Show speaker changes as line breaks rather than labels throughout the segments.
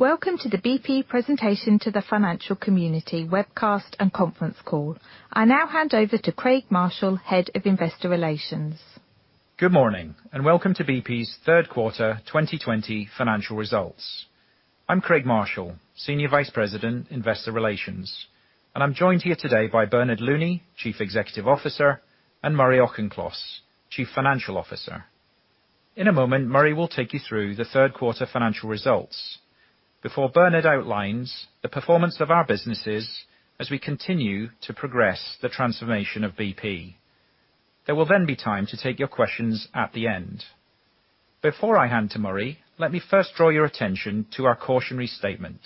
Welcome to the BP presentation to the financial community webcast and conference call. I now hand over to Craig Marshall, Head of Investor Relations.
Good morning, and welcome to BP's third quarter 2020 financial results. I'm Craig Marshall, Senior Vice President, Investor Relations. I'm joined here today by Bernard Looney, Chief Executive Officer, and Murray Auchincloss, Chief Financial Officer. In a moment, Murray will take you through the third quarter financial results before Bernard outlines the performance of our businesses as we continue to progress the transformation of BP. There will then be time to take your questions at the end. Before I hand to Murray, let me first draw your attention to our cautionary statement.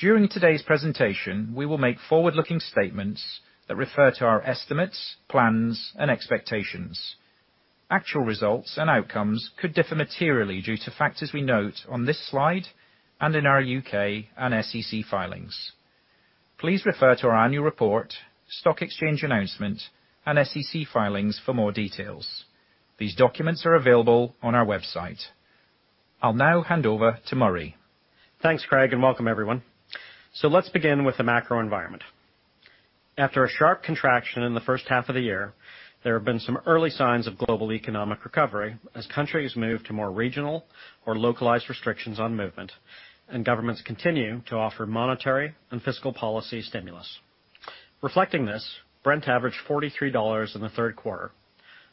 During today's presentation, we will make forward-looking statements that refer to our estimates, plans, and expectations. Actual results and outcomes could differ materially due to factors we note on this slide and in our U.K. and SEC filings. Please refer to our annual report, stock exchange announcement, and SEC filings for more details. These documents are available on our website. I'll now hand over to Murray.
Thanks, Craig, and welcome everyone. Let's begin with the macro environment. After a sharp contraction in the first half of the year, there have been some early signs of global economic recovery as countries move to more regional or localized restrictions on movement, and governments continue to offer monetary and fiscal policy stimulus. Reflecting this, Brent averaged $43 in the third quarter,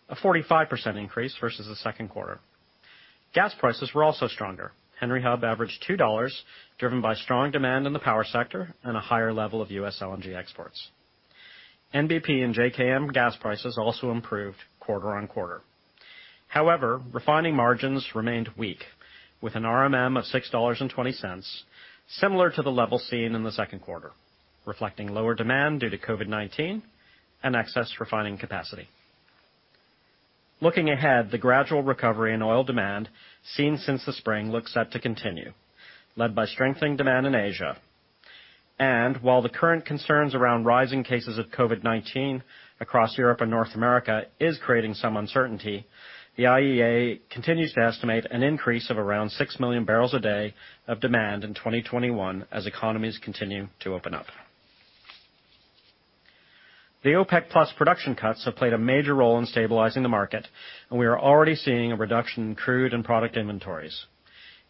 a 45% increase versus the second quarter. Gas prices were also stronger. Henry Hub averaged $2, driven by strong demand in the power sector and a higher level of U.S. LNG exports. NBP and JKM gas prices also improved quarter on quarter. However, refining margins remained weak, with an RMM of $6.20, similar to the level seen in the second quarter, reflecting lower demand due to COVID-19 and excess refining capacity. Looking ahead, the gradual recovery in oil demand seen since the spring looks set to continue, led by strengthening demand in Asia. While the current concerns around rising cases of COVID-19 across Europe and North America is creating some uncertainty, the IEA continues to estimate an increase of around 6 million barrels a day of demand in 2021 as economies continue to open up. The OPEC Plus production cuts have played a major role in stabilizing the market, and we are already seeing a reduction in crude and product inventories.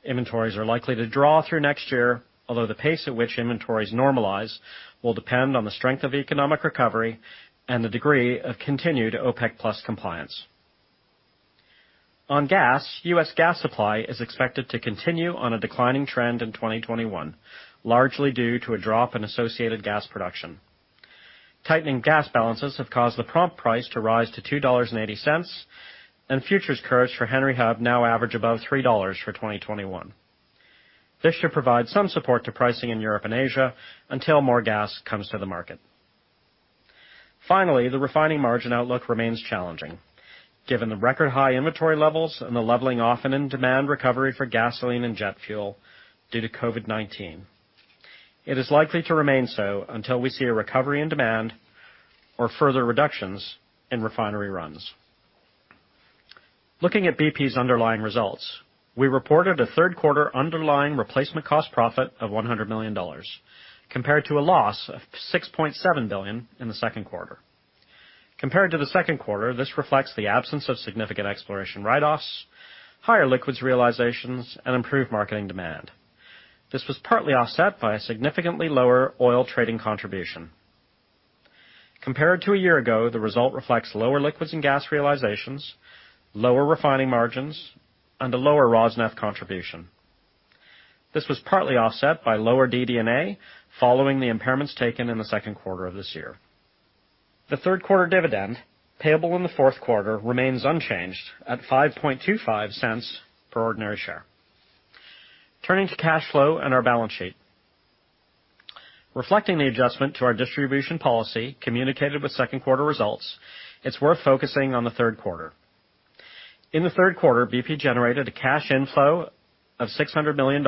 Inventories are likely to draw through next year, although the pace at which inventories normalize will depend on the strength of economic recovery and the degree of continued OPEC Plus compliance. On gas, U.S. gas supply is expected to continue on a declining trend in 2021, largely due to a drop in associated gas production. Tightening gas balances have caused the prompt price to rise to $2.80, and futures curves for Henry Hub now average above $3 for 2021. This should provide some support to pricing in Europe and Asia until more gas comes to the market. Finally, the refining margin outlook remains challenging, given the record-high inventory levels and the leveling off and in demand recovery for gasoline and jet fuel due to COVID-19. It is likely to remain so until we see a recovery in demand or further reductions in refinery runs. Looking at BP's underlying results, we reported a third quarter underlying replacement cost profit of $100 million, compared to a loss of $6.7 billion in the second quarter. Compared to the second quarter, this reflects the absence of significant exploration write-offs, higher liquids realizations, and improved marketing demand. This was partly offset by a significantly lower oil trading contribution. Compared to a year ago, the result reflects lower liquids and gas realizations, lower refining margins, and a lower Rosneft contribution. This was partly offset by lower DD&A following the impairments taken in the second quarter of this year. The third quarter dividend, payable in the fourth quarter, remains unchanged at $0.0525 per ordinary share. Turning to cash flow and our balance sheet. Reflecting the adjustment to our distribution policy communicated with second quarter results, it's worth focusing on the third quarter. In the third quarter, BP generated a cash inflow of $600 million,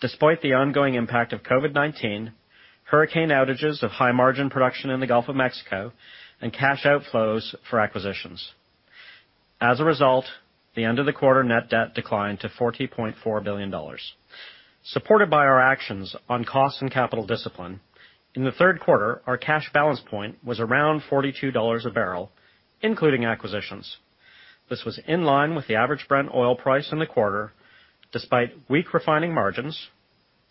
despite the ongoing impact of COVID-19, hurricane outages of high-margin production in the Gulf of Mexico, and cash outflows for acquisitions. As a result, the end-of-the-quarter net debt declined to $40.4 billion. Supported by our actions on cost and capital discipline, in the third quarter, our cash balance point was around $42 a barrel, including acquisitions. This was in line with the average Brent oil price in the quarter, despite weak refining margins,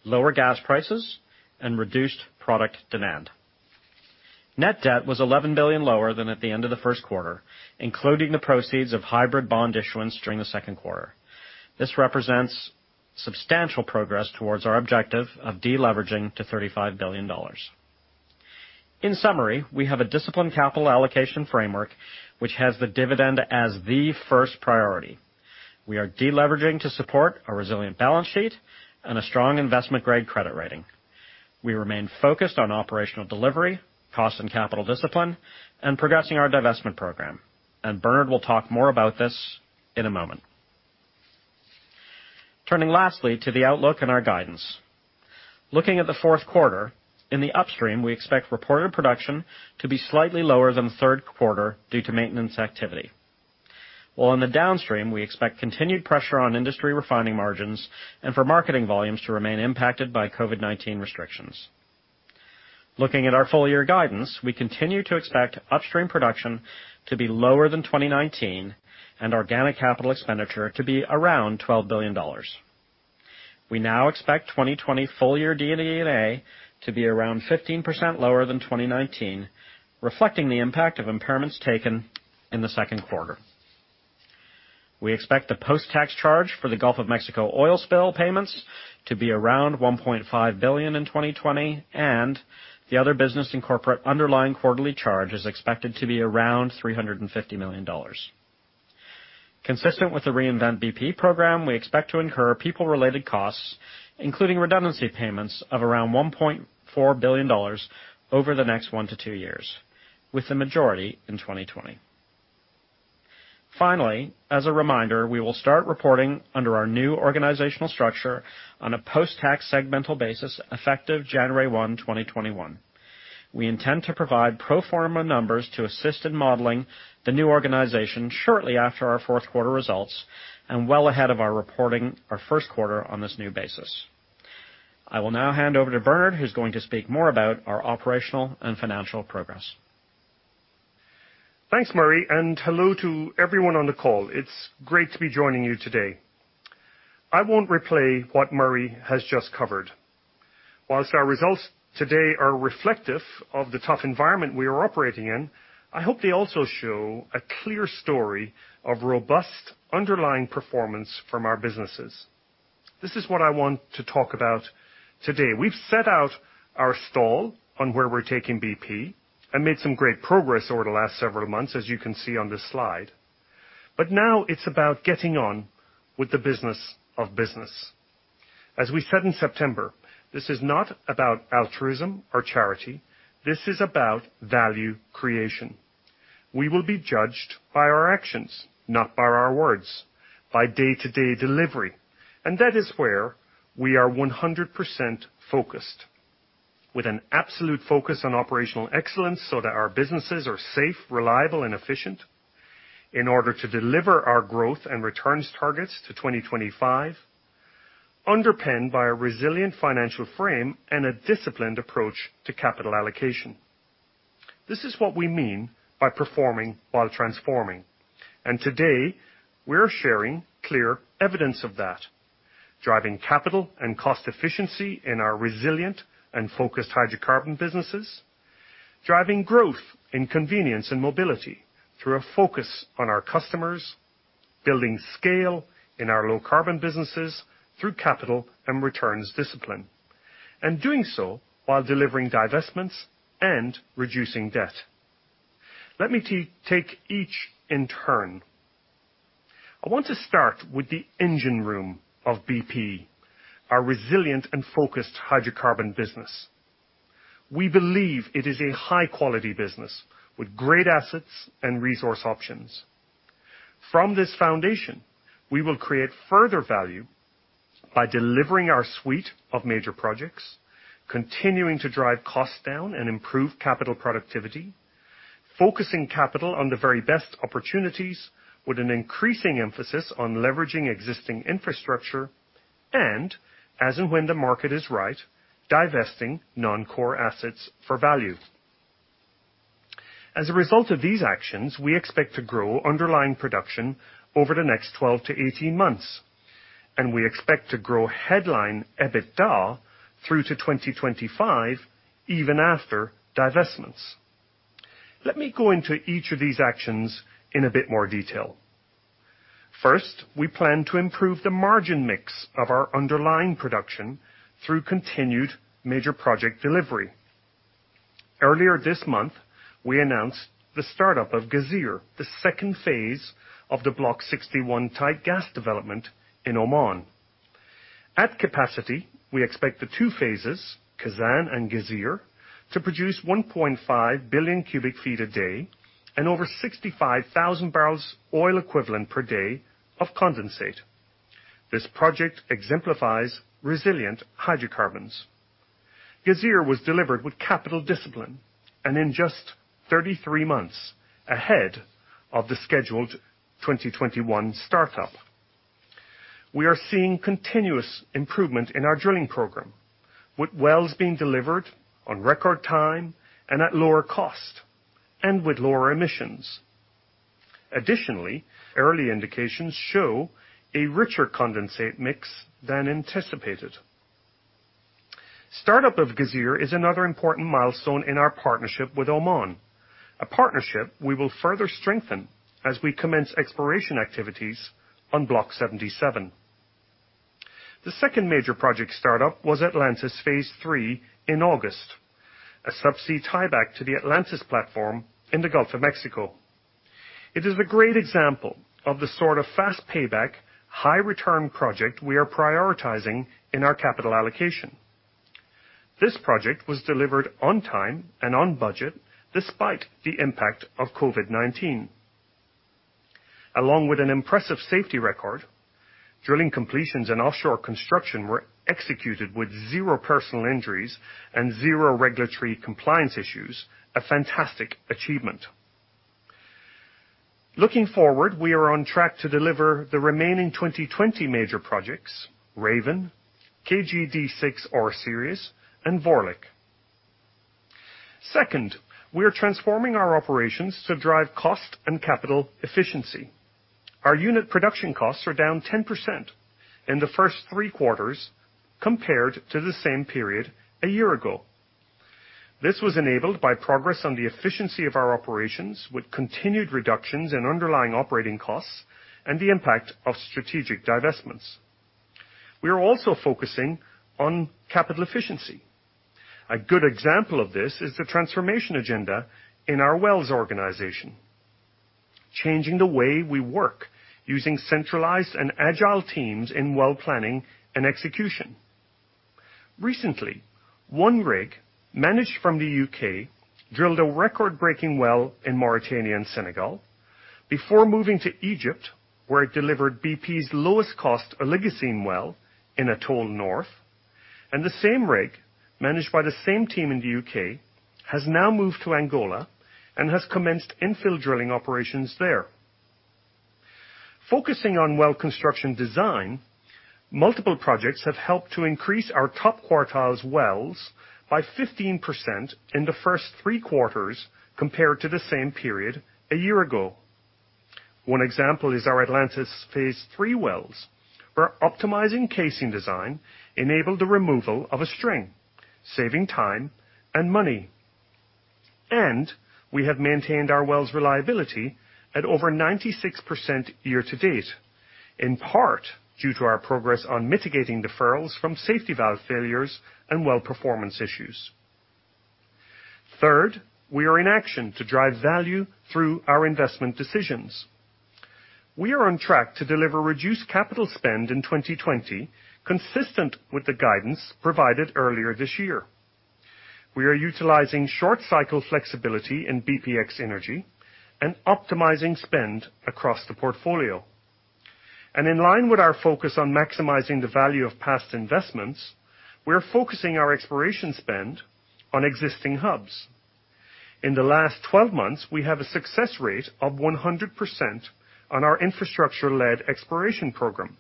lower gas prices, and reduced product demand. Net debt was $11 billion lower than at the end of the first quarter, including the proceeds of hybrid bond issuance during the second quarter. This represents substantial progress towards our objective of deleveraging to $35 billion. In summary, we have a disciplined capital allocation framework, which has the dividend as the first priority. We are deleveraging to support a resilient balance sheet and a strong investment-grade credit rating. We remain focused on operational delivery, cost and capital discipline, and progressing our divestment program. Bernard will talk more about this in a moment. Turning lastly to the outlook and our guidance. Looking at the fourth quarter, in the upstream, we expect reported production to be slightly lower than the third quarter due to maintenance activity. While in the downstream, we expect continued pressure on industry refining margins and for marketing volumes to remain impacted by COVID-19 restrictions. Looking at our full-year guidance, we continue to expect upstream production to be lower than 2019 and organic capital expenditure to be around $12 billion. We now expect 2020 full-year DD&A to be around 15% lower than 2019, reflecting the impact of impairments taken in the second quarter. We expect the post-tax charge for the Gulf of Mexico oil spill payments to be around $1.5 billion in 2020, and the Other Business and Corporate underlying quarterly charge is expected to be around $350 million. Consistent with the Reinvent BP program, we expect to incur people-related costs, including redundancy payments of around $1.4 billion over the next one to two years, with the majority in 2020. Finally, as a reminder, we will start reporting under our new organizational structure on a post-tax segmental basis effective January 1, 2021. We intend to provide pro forma numbers to assist in modeling the new organization shortly after our fourth quarter results and well ahead of our reporting our first quarter on this new basis. I will now hand over to Bernard, who's going to speak more about our operational and financial progress.
Thanks, Murray, and hello to everyone on the call. It's great to be joining you today. I won't replay what Murray has just covered. Whilst our results today are reflective of the tough environment we are operating in, I hope they also show a clear story of robust underlying performance from our businesses. This is what I want to talk about today. We've set out our stall on where we're taking BP and made some great progress over the last several months, as you can see on this slide. Now it's about getting on with the business of business. As we said in September, this is not about altruism or charity. This is about value creation. We will be judged by our actions, not by our words, by day-to-day delivery. That is where we are 100% focused. With an absolute focus on operational excellence so that our businesses are safe, reliable, and efficient in order to deliver our growth and returns targets to 2025, underpinned by a resilient financial frame and a disciplined approach to capital allocation. This is what we mean by performing while transforming. Today, we're sharing clear evidence of that. Driving capital and cost efficiency in our resilient and focused hydrocarbon businesses. Driving growth in convenience and mobility through a focus on our customers. Building scale in our low-carbon businesses through capital and returns discipline. Doing so while delivering divestments and reducing debt. Let me take each in turn. I want to start with the engine room of BP, our resilient and focused hydrocarbon business. We believe it is a high-quality business with great assets and resource options. From this foundation, we will create further value by delivering our suite of major projects, continuing to drive costs down and improve capital productivity, focusing capital on the very best opportunities with an increasing emphasis on leveraging existing infrastructure, and as in when the market is right, divesting non-core assets for value. As a result of these actions, we expect to grow underlying production over the next 12 to 18 months, and we expect to grow headline EBITDA through to 2025 even after divestments. Let me go into each of these actions in a bit more detail. First, we plan to improve the margin mix of our underlying production through continued major project delivery. Earlier this month, we announced the startup of Ghazeer, the second phase of the Block 61 tight gas development in Oman. At capacity, we expect the two phases, Khazzan and Ghazeer, to produce 1.5 billion cubic feet a day and over 65,000 barrels oil equivalent per day of condensate. This project exemplifies resilient hydrocarbons. Ghazeer was delivered with capital discipline and in just 33 months ahead of the scheduled 2021 startup. We are seeing continuous improvement in our drilling program, with wells being delivered on record time and at lower cost, and with lower emissions. Additionally, early indications show a richer condensate mix than anticipated. Startup of Ghazeer is another important milestone in our partnership with Oman, a partnership we will further strengthen as we commence exploration activities on Block 77. The second major project startup was Atlantis Phase 3 in August, a subsea tieback to the Atlantis platform in the Gulf of Mexico. It is a great example of the sort of fast payback, high return project we are prioritizing in our capital allocation. This project was delivered on time and on budget, despite the impact of COVID-19. Along with an impressive safety record, drilling completions and offshore construction were executed with zero personal injuries and zero regulatory compliance issues, a fantastic achievement. Looking forward, we are on track to deliver the remaining 2020 major projects, Raven, KG D6 R-Series, and Vorlich. Second, we are transforming our operations to drive cost and capital efficiency. Our unit production costs are down 10% in the first three quarters compared to the same period a year ago. This was enabled by progress on the efficiency of our operations with continued reductions in underlying operating costs and the impact of strategic divestments. We are also focusing on capital efficiency. A good example of this is the transformation agenda in our wells organization, changing the way we work using centralized and agile teams in well planning and execution. Recently, one rig managed from the U.K. drilled a record-breaking well in Mauritania and Senegal before moving to Egypt, where it delivered BP's lowest cost Oligocene well in Atoll North, and the same rig, managed by the same team in the U.K., has now moved to Angola and has commenced infill drilling operations there. Focusing on well construction design, multiple projects have helped to increase our top quartile wells by 15% in the first three quarters compared to the same period a year ago. One example is our Atlantis Phase 3 wells, where optimizing casing design enabled the removal of one string, saving time and money. We have maintained our wells reliability at over 96% year to date, in part due to our progress on mitigating deferrals from safety valve failures and well performance issues. Third, we are in action to drive value through our investment decisions. We are on track to deliver reduced capital spend in 2020, consistent with the guidance provided earlier this year. We are utilizing short cycle flexibility in BPX Energy and optimizing spend across the portfolio. In line with our focus on maximizing the value of past investments, we're focusing our exploration spend on existing hubs. In the last 12 months, we have a success rate of 100% on our infrastructure-led exploration program,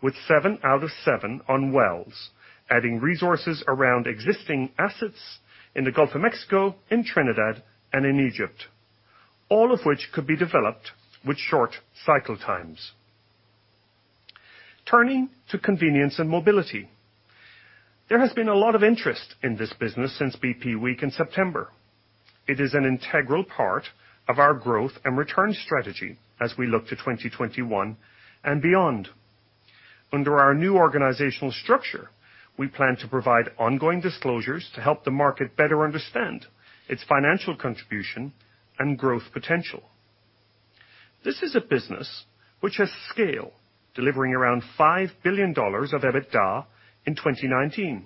with seven out of seven on wells, adding resources around existing assets in the Gulf of Mexico, in Trinidad, and in Egypt, all of which could be developed with short cycle times. Turning to convenience and mobility. There has been a lot of interest in this business since bp week in September. It is an integral part of our growth and return strategy as we look to 2021 and beyond. Under our new organizational structure, we plan to provide ongoing disclosures to help the market better understand its financial contribution and growth potential. This is a business which has scale, delivering around $5 billion of EBITDA in 2019.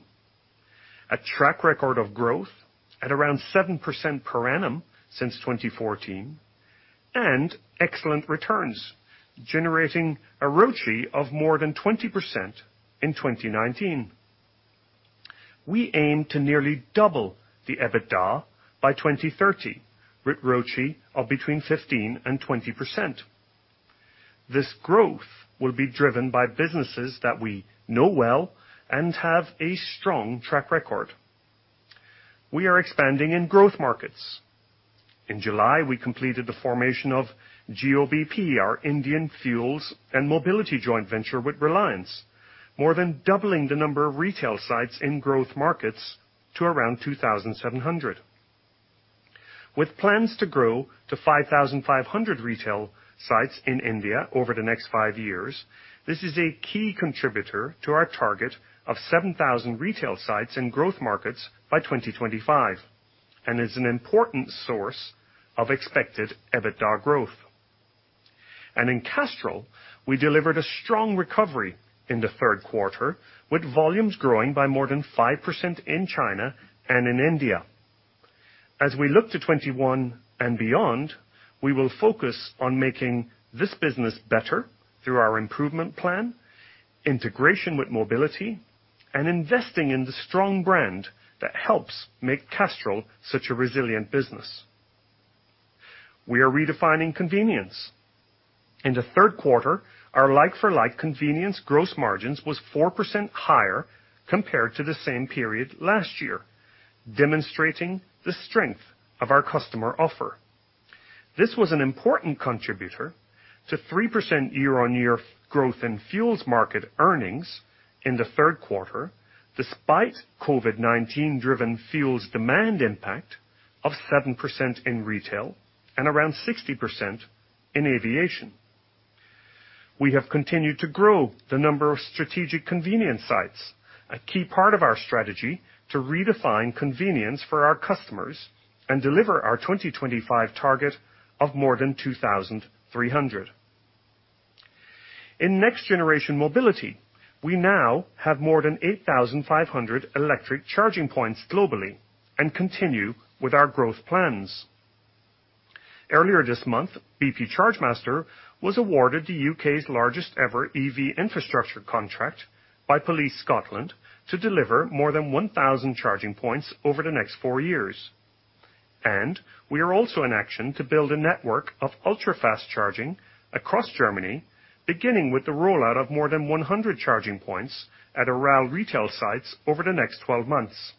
A track record of growth at around 7% per annum since 2014, and excellent returns, generating a ROCE of more than 20% in 2019. We aim to nearly double the EBITDA by 2030, with ROCE of between 15% and 20%. This growth will be driven by businesses that we know well and have a strong track record. We are expanding in growth markets. In July, we completed the formation of Jio-bp, our Indian fuels and mobility joint venture with Reliance, more than doubling the number of retail sites in growth markets to around 2,700. With plans to grow to 5,500 retail sites in India over the next five years, this is a key contributor to our target of 7,000 retail sites in growth markets by 2025 and is an important source of expected EBITDA growth. In Castrol, we delivered a strong recovery in the third quarter, with volumes growing by more than 5% in China and in India. As we look to 2021 and beyond, we will focus on making this business better through our improvement plan, integration with mobility, and investing in the strong brand that helps make Castrol such a resilient business. We are redefining convenience. In the third quarter, our like-for-like convenience gross margins was 4% higher compared to the same period last year, demonstrating the strength of our customer offer. This was an important contributor to 3% year-on-year growth in fuels market earnings in the third quarter, despite COVID-19-driven fuels demand impact of 7% in retail and around 60% in aviation. We have continued to grow the number of strategic convenience sites, a key part of our strategy to redefine convenience for our customers and deliver our 2025 target of more than 2,300. In next-generation mobility, we now have more than 8,500 electric charging points globally and continue with our growth plans. Earlier this month, BP Chargemaster was awarded the U.K.'s largest ever EV infrastructure contract by Police Scotland to deliver more than 1,000 charging points over the next four years. We are also in action to build a network of ultra-fast charging across Germany, beginning with the rollout of more than 100 charging points at Aral retail sites over the next 12 months.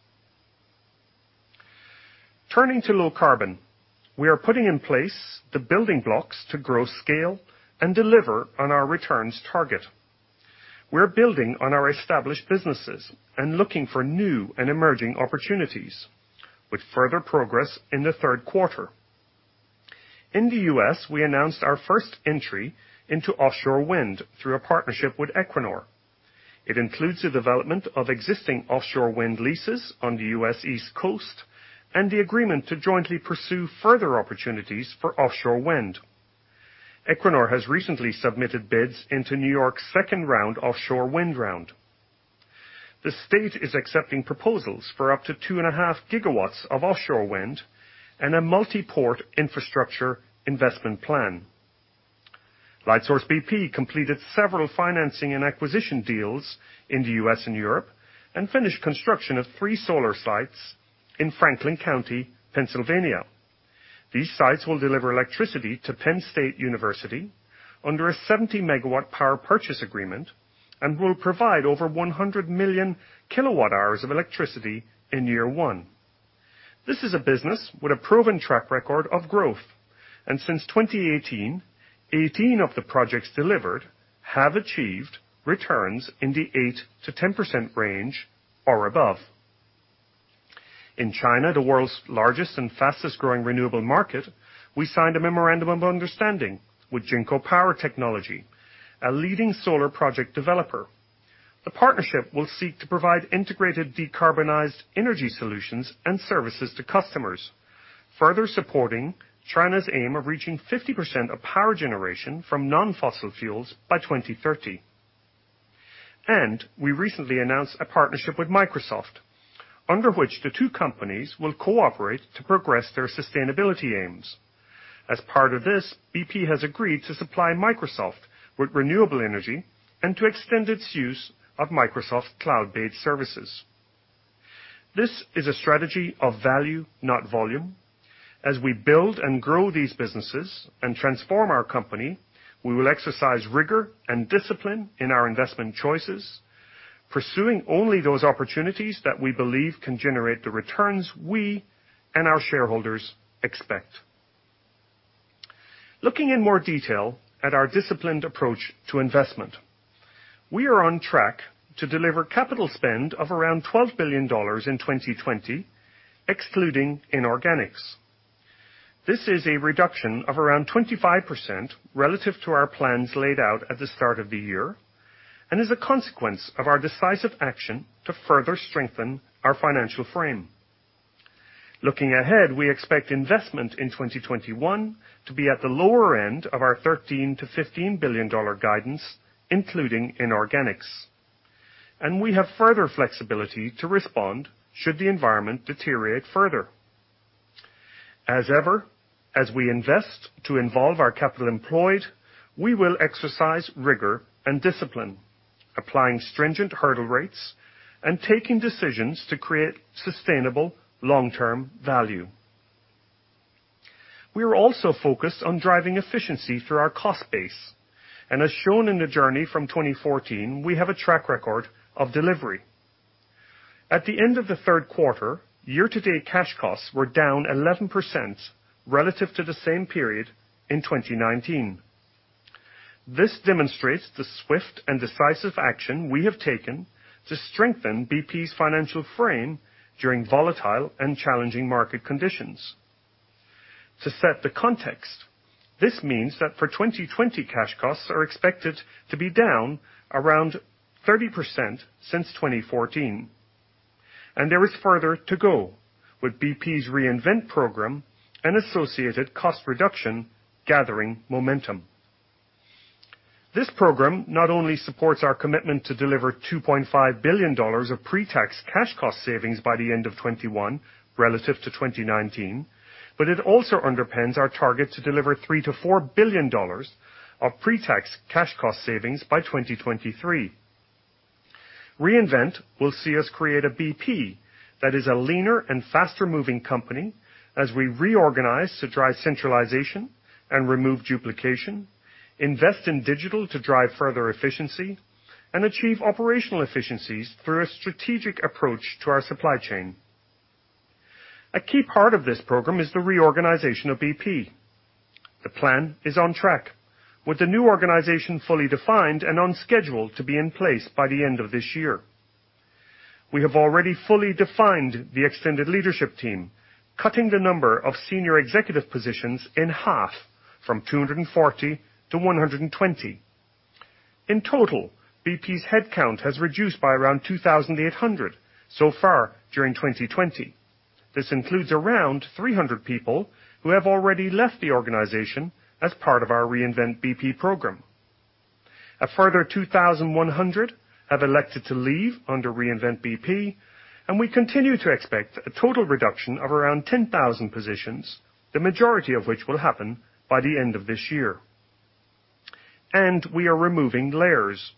Turning to low carbon, we are putting in place the building blocks to grow scale and deliver on our returns target. We're building on our established businesses and looking for new and emerging opportunities with further progress in the third quarter. In the U.S., we announced our first entry into offshore wind through a partnership with Equinor. It includes the development of existing offshore wind leases on the U.S. East Coast and the agreement to jointly pursue further opportunities for offshore wind. Equinor has recently submitted bids into New York's second round offshore wind round. The state is accepting proposals for up to 2.5 GW of offshore wind and a multi-port infrastructure investment plan. Lightsource BP completed several financing and acquisition deals in the U.S. and Europe and finished construction of three solar sites in Franklin County, Pennsylvania. These sites will deliver electricity to Penn State University under a 70 MW power purchase agreement and will provide over 100 million kWh of electricity in year one. Since 2018, 18 of the projects delivered have achieved returns in the 8%-10% range or above. In China, the world's largest and fastest-growing renewable market, we signed a memorandum of understanding with Jinko Power Technology, a leading solar project developer. The partnership will seek to provide integrated decarbonized energy solutions and services to customers, further supporting China's aim of reaching 50% of power generation from non-fossil fuels by 2030. We recently announced a partnership with Microsoft, under which the two companies will cooperate to progress their sustainability aims. As part of this, BP has agreed to supply Microsoft with renewable energy and to extend its use of Microsoft cloud-based services. This is a strategy of value, not volume. As we build and grow these businesses and transform our company, we will exercise rigor and discipline in our investment choices, pursuing only those opportunities that we believe can generate the returns we and our shareholders expect. Looking in more detail at our disciplined approach to investment, we are on track to deliver capital spend of around $12 billion in 2020, excluding inorganics. This is a reduction of around 25% relative to our plans laid out at the start of the year and is a consequence of our decisive action to further strengthen our financial frame. Looking ahead, we expect investment in 2021 to be at the lower end of our $13 billion-$15 billion guidance, including inorganics, and we have further flexibility to respond should the environment deteriorate further. As ever, as we invest to involve our capital employed, we will exercise rigor and discipline, applying stringent hurdle rates and taking decisions to create sustainable long-term value. We are also focused on driving efficiency through our cost base. As shown in the journey from 2014, we have a track record of delivery. At the end of the third quarter, year-to-date cash costs were down 11% relative to the same period in 2019. This demonstrates the swift and decisive action we have taken to strengthen BP's financial frame during volatile and challenging market conditions. To set the context, this means that for 2020, cash costs are expected to be down around 30% since 2014, and there is further to go with BP's Reinvent program and associated cost reduction gathering momentum. This program not only supports our commitment to deliver $2.5 billion of pre-tax cash cost savings by the end of 2021 relative to 2019. It also underpins our target to deliver $3 billion-$4 billion of pre-tax cash cost savings by 2023. Reinvent will see us create a BP that is a leaner and faster-moving company as we reorganize to drive centralization and remove duplication, invest in digital to drive further efficiency, and achieve operational efficiencies through a strategic approach to our supply chain. A key part of this program is the reorganization of BP. The plan is on track with the new organization fully defined and on schedule to be in place by the end of this year. We have already fully defined the extended leadership team, cutting the number of senior executive positions in half from 240 to 120. In total, BP's head count has reduced by around 2,800 so far during 2020. This includes around 300 people who have already left the organization as part of our Reinvent BP program. A further 2,100 have elected to leave under Reinvent BP, and we continue to expect a total reduction of around 10,000 positions, the majority of which will happen by the end of this year. We are removing layers.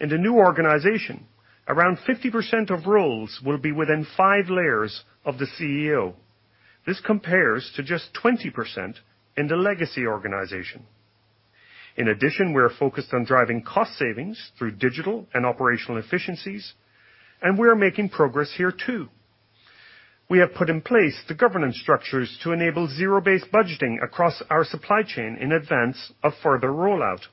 In the new organization, around 50% of roles will be within five layers of the CEO. This compares to just 20% in the legacy organization. We are focused on driving cost savings through digital and operational efficiencies, and we are making progress here too. We have put in place the governance structures to enable zero-based budgeting across our supply chain in advance of further rollout.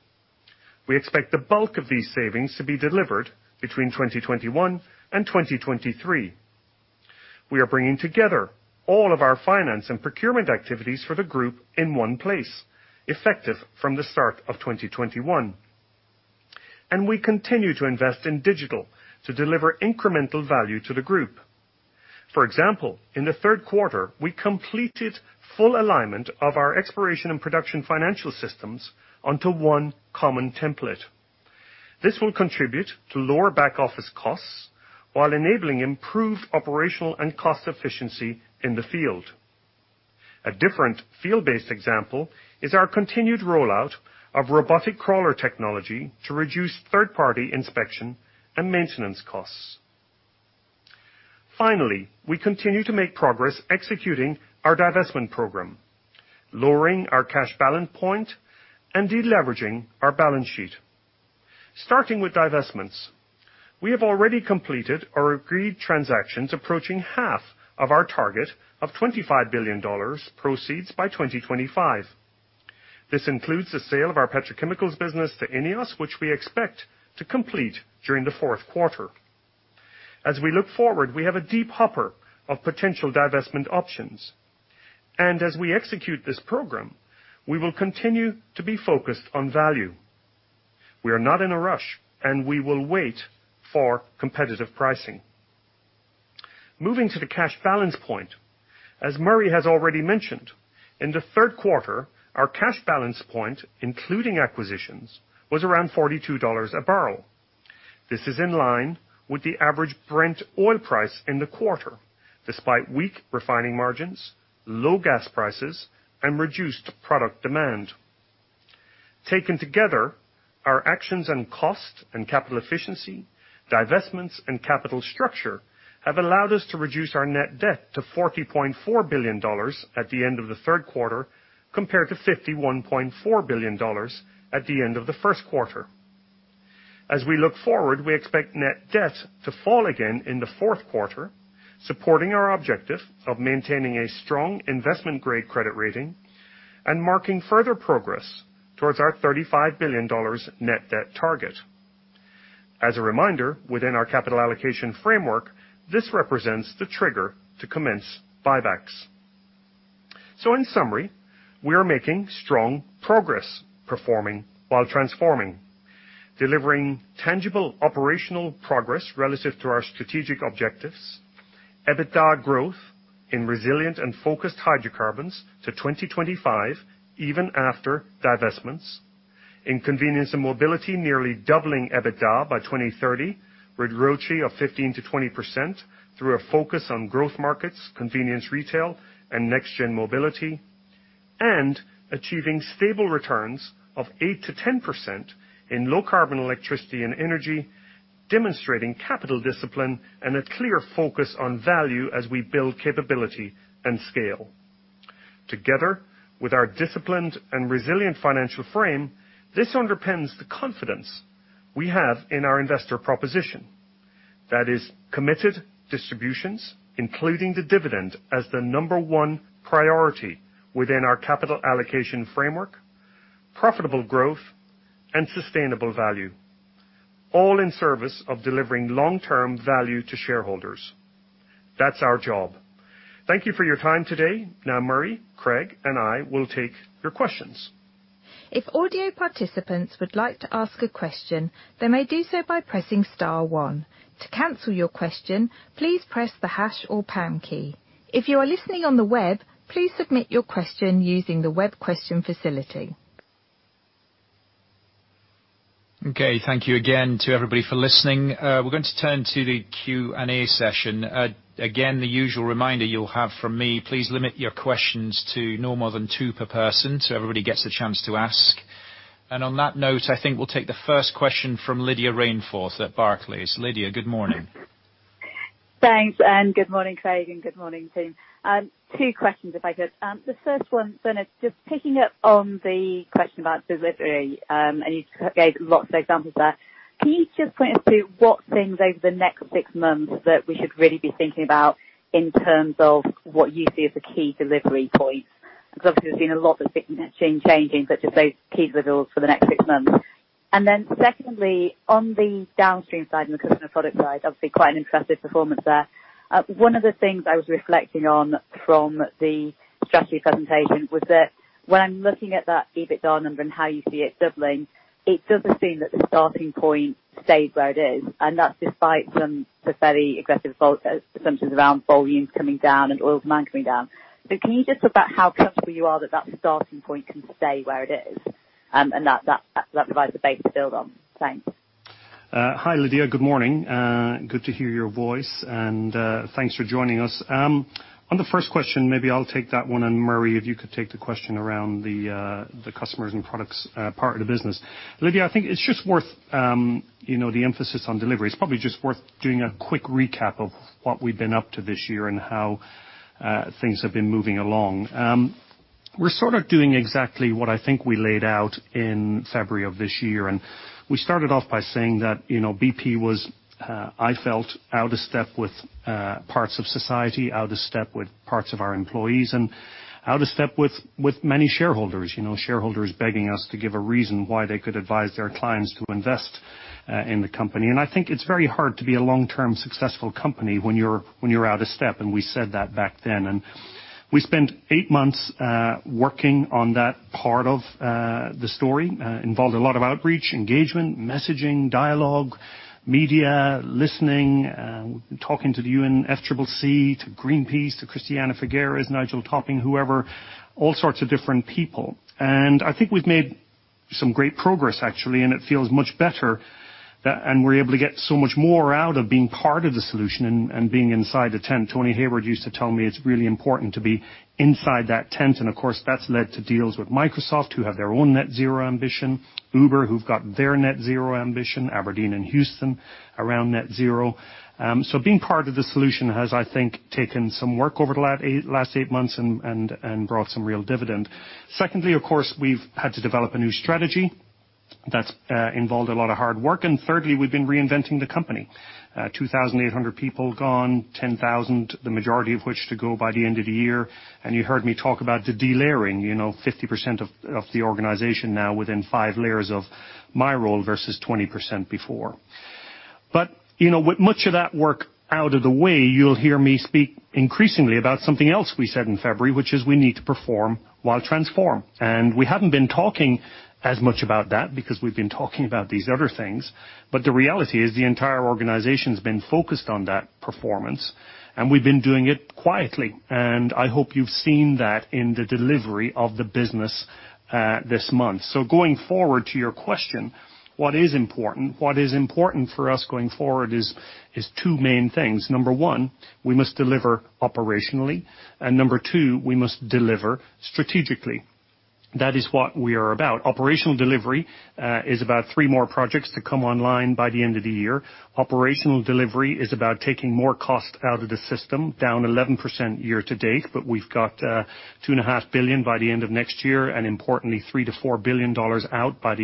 We expect the bulk of these savings to be delivered between 2021 and 2023. We are bringing together all of our finance and procurement activities for the group in one place, effective from the start of 2021. We continue to invest in digital to deliver incremental value to the group. For example, in the third quarter, we completed full alignment of our exploration and production financial systems onto one common template. This will contribute to lower back-office costs while enabling improved operational and cost efficiency in the field. A different field-based example is our continued rollout of robotic crawler technology to reduce third-party inspection and maintenance costs. Finally, we continue to make progress executing our divestment program, lowering our cash balance point, and de-leveraging our balance sheet. Starting with divestments. We have already completed or agreed transactions approaching half of our target of $25 billion proceeds by 2025. This includes the sale of our petrochemicals business to INEOS, which we expect to complete during the fourth quarter. As we look forward, we have a deep hopper of potential divestment options. As we execute this program, we will continue to be focused on value. We are not in a rush, and we will wait for competitive pricing. Moving to the cash balance point. As Murray has already mentioned, in the third quarter, our cash balance point, including acquisitions, was around $42 a barrel. This is in line with the average Brent oil price in the quarter, despite weak refining margins, low gas prices, and reduced product demand. Taken together, our actions on cost and capital efficiency, divestments, and capital structure have allowed us to reduce our net debt to $40.4 billion at the end of the third quarter, compared to $51.4 billion at the end of the first quarter. We look forward, we expect net debt to fall again in the fourth quarter, supporting our objective of maintaining a strong investment-grade credit rating and marking further progress towards our $35 billion net debt target. A reminder, within our capital allocation framework, this represents the trigger to commence buybacks. In summary, we are making strong progress performing while transforming, delivering tangible operational progress relative to our strategic objectives, EBITDA growth in resilient and focused hydrocarbons to 2025 even after divestments. In convenience and mobility, nearly doubling EBITDA by 2030, with ROCE of 15%-20% through a focus on growth markets, convenience retail, and next-gen mobility. Achieving stable returns of 8%-10% in low carbon electricity and energy, demonstrating capital discipline and a clear focus on value as we build capability and scale. Together with our disciplined and resilient financial frame, this underpins the confidence we have in our investor proposition. That is committed distributions, including the dividend as the number one priority within our capital allocation framework, profitable growth, and sustainable value, all in service of delivering long-term value to shareholders. That's our job. Thank you for your time today. Now Murray, Craig, and I will take your questions.
If audio participants would like to ask a question, they may do so by pressing star one. To cancel your question, please press the hash or pound key. If you are listening on the web, please submit your question using the web question facility.
Okay, thank you again to everybody for listening. We're going to turn to the Q&A session. Again, the usual reminder you'll have from me, please limit your questions to no more than two per person so everybody gets a chance to ask. On that note, I think we'll take the first question from Lydia Rainforth at Barclays. Lydia, good morning.
Thanks, good morning, Craig, and good morning, team. Two questions if I could. The first one, Bernard, just picking up on the question about delivery, and you gave lots of examples there. Can you just point us to what things over the next six months that we should really be thinking about in terms of what you see as the key delivery points? Because obviously, we've seen a lot of things changing, but just those key deliverables for the next six months. Secondly, on the downstream side and the customer product side, obviously quite an impressive performance there. One of the things I was reflecting on from the strategy presentation was that when I'm looking at that EBITDA number and how you see it doubling, it does seem that the starting point stayed where it is, and that's despite some fairly aggressive assumptions around volumes coming down and oil demand coming down. Can you just talk about how comfortable you are that that starting point can stay where it is? That provides a base to build on. Thanks.
Hi, Lydia. Good morning. Good to hear your voice, and thanks for joining us. On the first question, maybe I'll take that one, and Murray, if you could take the question around the customers and products part of the business. Lydia, I think it's just worth the emphasis on delivery. It's probably just worth doing a quick recap of what we've been up to this year and how things have been moving along. We're sort of doing exactly what I think we laid out in February of this year. We started off by saying that BP was, I felt, out of step with parts of society, out of step with parts of our employees and out of step with many shareholders. Shareholders begging us to give a reason why they could advise their clients to invest in the company. I think it's very hard to be a long-term successful company when you're out of step, and we said that back then. We spent eight months working on that part of the story. Involved a lot of outreach, engagement, messaging, dialogue, media, listening, talking to the UNFCCC, to Greenpeace, to Christiana Figueres, Nigel Topping, whoever, all sorts of different people. I think we've made some great progress, actually, and it feels much better, and we're able to get so much more out of being part of the solution and being inside the tent. Tony Hayward used to tell me it's really important to be inside that tent. Of course, that's led to deals with Microsoft, who have their own net zero ambition, Uber, who've got their net zero ambition, Aberdeen and Houston around net zero. Being part of the solution has, I think, taken some work over the last eight months and brought some real dividend. Secondly, of course, we've had to develop a new strategy that's involved a lot of hard work. Thirdly, we've been reinventing the company. 2,800 people gone, 10,000, the majority of which to go by the end of the year. You heard me talk about the delayering. 50% of the organization now within five layers of my role versus 20% before. With much of that work out of the way, you'll hear me speak increasingly about something else we said in February, which is we need to perform while transform. We haven't been talking as much about that because we've been talking about these other things. The reality is the entire organization's been focused on that performance, and we've been doing it quietly. I hope you've seen that in the delivery of the business this month. Going forward, to your question, what is important? What is important for us going forward is two main things. Number one, we must deliver operationally, and number two, we must deliver strategically. That is what we are about. Operational delivery is about three more projects to come online by the end of the year. Operational delivery is about taking more cost out of the system, down 11% year to date. We've got $2.5 billion by the end of next year, and importantly, $3 billion-$4 billion out by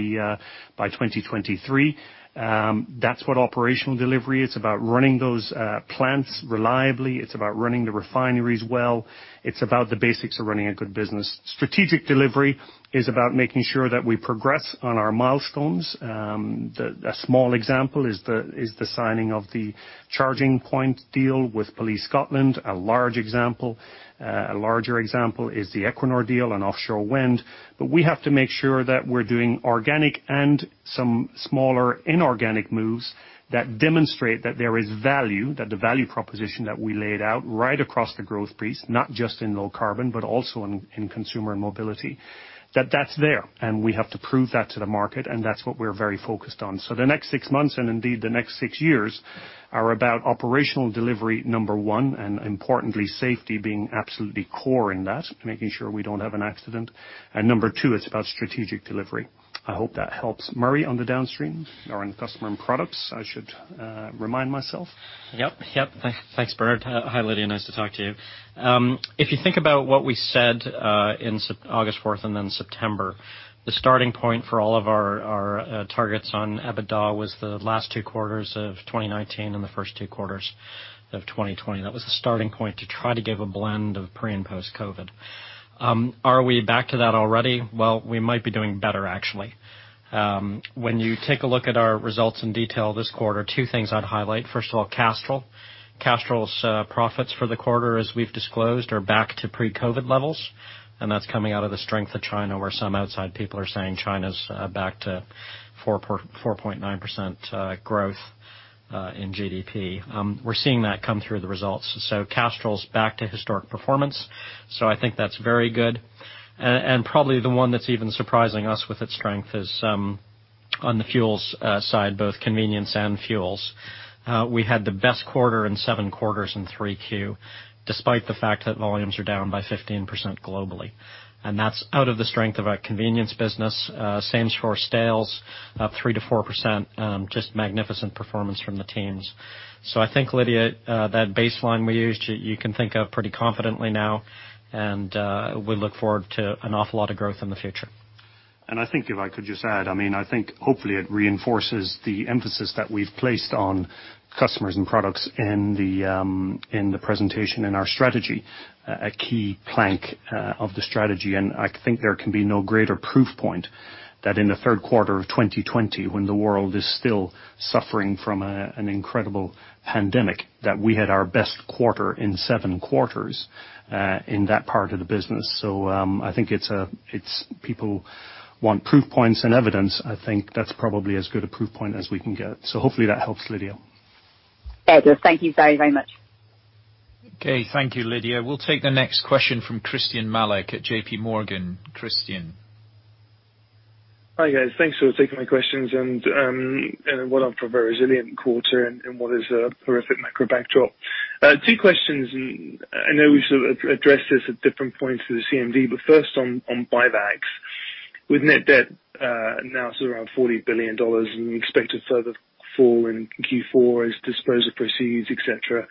2023. That's what operational delivery, it's about running those plants reliably. It's about running the refineries well. It's about the basics of running a good business. Strategic delivery is about making sure that we progress on our milestones. A small example is the signing of the charging point deal with Police Scotland. A larger example is the Equinor deal on offshore wind. We have to make sure that we're doing organic and some smaller inorganic moves that demonstrate that there is value, that the value proposition that we laid out right across the growth piece, not just in low carbon, but also in consumer mobility, that that's there. We have to prove that to the market, and that's what we're very focused on. The next six months, and indeed the next six years, are about operational delivery, number one, and importantly, safety being absolutely core in that, making sure we don't have an accident. Number two, it's about strategic delivery. I hope that helps. Murray, on the downstream or on customer and products, I should remind myself.
Yep. Thanks, Bernard. Hi, Lydia, nice to talk to you. If you think about what we said in August 4th and then September, the starting point for all of our targets on EBITDA was the last two quarters of 2019 and the first two quarters of 2020. That was the starting point to try to give a blend of pre- and post-COVID. Are we back to that already? Well, we might be doing better, actually. When you take a look at our results in detail this quarter, two things I'd highlight. First of all, Castrol. Castrol's profits for the quarter, as we've disclosed, are back to pre-COVID levels, and that's coming out of the strength of China, where some outside people are saying China's back to 4.9% growth in GDP. We're seeing that come through the results. Castrol's back to historic performance, so I think that's very good. Probably the one that's even surprising us with its strength is on the fuels side, both convenience and fuels. We had the best quarter in seven quarters in Q3, despite the fact that volumes are down by 15% globally. That's out of the strength of our convenience business. Same for same-store sales, up 3%-4%. Just magnificent performance from the teams. I think, Lydia, that baseline we used you can think of pretty confidently now, and we look forward to an awful lot of growth in the future.
I think if I could just add, I think hopefully it reinforces the emphasis that we've placed on customers and products in the presentation, in our strategy, a key plank of the strategy. I think there can be no greater proof point that in the third quarter of 2020, when the world is still suffering from an incredible pandemic, that we had our best quarter in seven quarters, in that part of the business. I think people want proof points and evidence. I think that's probably as good a proof point as we can get. Hopefully that helps, Lydia.
It does. Thank you very much.
Okay. Thank you, Lydia. We'll take the next question from Christyan Malek at JPMorgan. Christyan.
Hi, guys. Thanks for taking my questions, and well done for a very resilient quarter in what is a horrific macro backdrop. Two questions, and I know we've sort of addressed this at different points of the CMD, but first on buybacks. With net debt now sort of around $40 billion and we expect a further fall in Q4 as disposal proceeds, et cetera,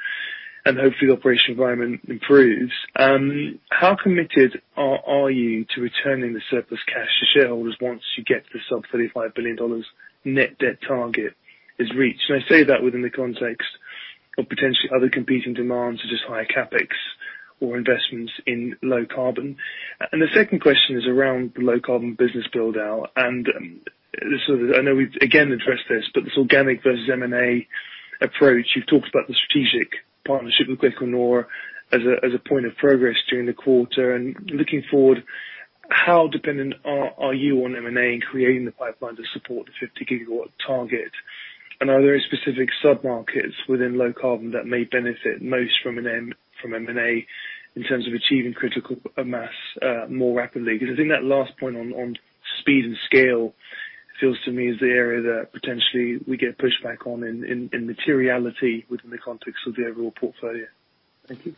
and hopefully the operation environment improves, how committed are you to returning the surplus cash to shareholders once you get the sub $35 billion net debt target is reached? I say that within the context of potentially other competing demands, such as higher CapEx or investments in low carbon. The second question is around the low carbon business build-out, and I know we've again addressed this, but this organic versus M&A approach. You've talked about the strategic partnership with Equinor as a point of progress during the quarter. Looking forward, how dependent are you on M&A in creating the pipeline to support the 50 GW target? Are there specific sub-markets within low carbon that may benefit most from M&A in terms of achieving critical mass more rapidly? I think that last point on speed and scale feels to me is the area that potentially we get pushback on in materiality within the context of the overall portfolio. Thank you.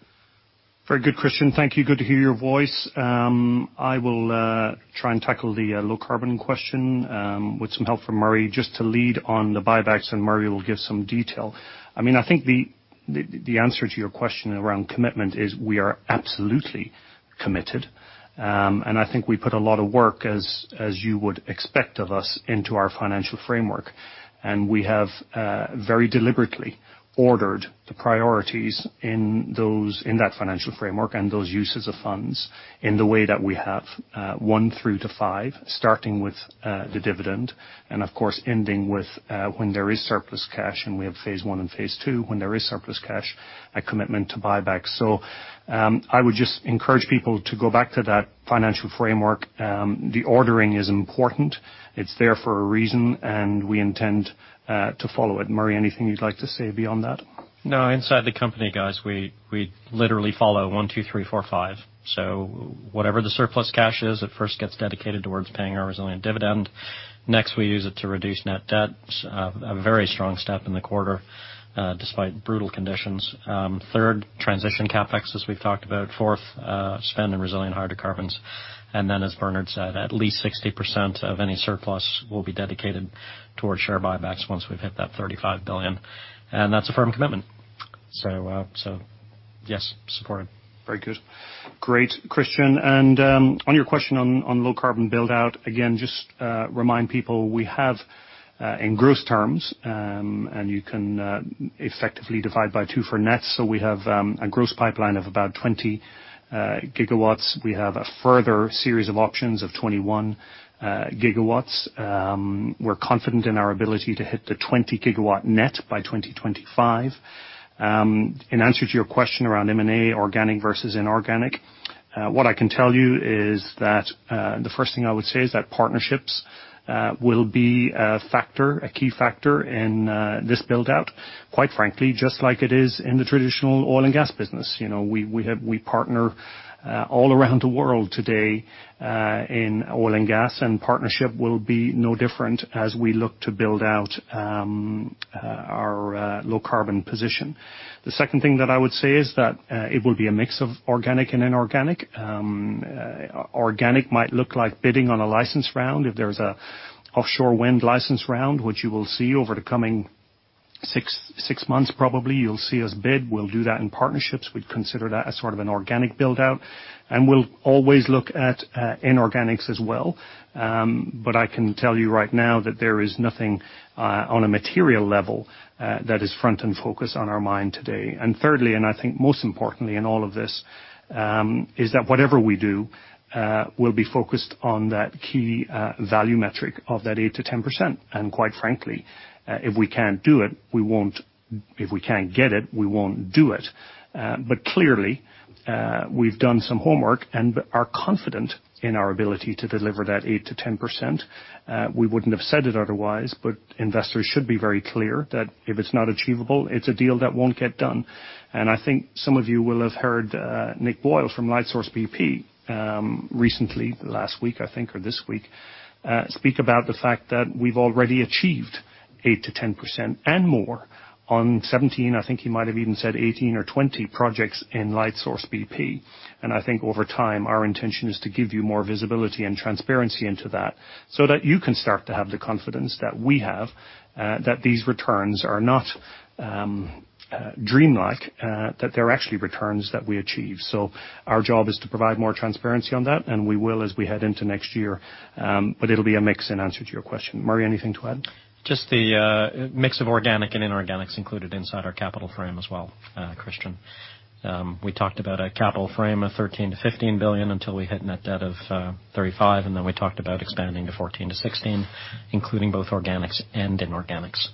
Very good, Christyan. Thank you. Good to hear your voice. I will try and tackle the low carbon question, with some help from Murray, just to lead on the buybacks. Murray will give some detail. I think the answer to your question around commitment is we are absolutely committed. I think we put a lot of work, as you would expect of us, into our financial framework. We have very deliberately ordered the priorities in that financial framework and those uses of funds in the way that we have, one through to five, starting with the dividend and of course ending with when there is surplus cash, and we have Phase 1 and Phase 2, when there is surplus cash, a commitment to buybacks. I would just encourage people to go back to that financial framework. The ordering is important. It's there for a reason, and we intend to follow it. Murray, anything you'd like to say beyond that?
Inside the company, guys, we literally follow one, two, three, four, five. Whatever the surplus cash is, it first gets dedicated towards paying our resilient dividend. Next, we use it to reduce net debt. A very strong step in the quarter, despite brutal conditions. Third, transition CapEx, as we've talked about. Fourth, spend on resilient hydrocarbons. As Bernard said, at least 60% of any surplus will be dedicated towards share buybacks once we've hit that $35 billion, and that's a firm commitment. Yes, supported.
Very good. Great, Christyan. On your question on low-carbon build-out, again, just remind people, we have, in gross terms, and you can effectively divide by two for net. We have a gross pipeline of about 20 GW. We have a further series of options of 21 GW. We're confident in our ability to hit the 20 GW net by 2025. In answer to your question around M&A, organic versus inorganic, what I can tell you is that the first thing I would say is that partnerships will be a key factor in this build-out, quite frankly, just like it is in the traditional oil and gas business. We partner all around the world today in oil and gas, partnership will be no different as we look to build out our low-carbon position. The second thing that I would say is that it will be a mix of organic and inorganic. Organic might look like bidding on a license round if there's an offshore wind license round, which you will see over the coming six months probably. You'll see us bid. We'll do that in partnerships. We'd consider that as sort of an organic build-out. We'll always look at inorganics as well. I can tell you right now that there is nothing on a material level that is front and focus on our mind today. Thirdly, and I think most importantly in all of this, is that whatever we do will be focused on that key value metric of that 8% to 10%. Quite frankly, if we can't get it, we won't do it. Clearly, we've done some homework and are confident in our ability to deliver that 8%-10%. Investors should be very clear that if it's not achievable, it's a deal that won't get done. I think some of you will have heard Nick Boyle from Lightsource BP recently, last week, I think, or this week, speak about the fact that we've already achieved 8%-10% and more on 17, I think he might have even said 18 or 20 projects in Lightsource BP. I think over time, our intention is to give you more visibility and transparency into that so that you can start to have the confidence that we have that these returns are not dreamlike, that they're actually returns that we achieve. Our job is to provide more transparency on that, and we will as we head into next year. It'll be a mix in answer to your question. Murray, anything to add?
Just the mix of organic and inorganics included inside our capital frame as well, Christyan. We talked about a capital frame of $13 billion-$15 billion until we hit net debt of $35 billion, and then we talked about expanding to $14 billion-$16 billion, including both organics and inorganics.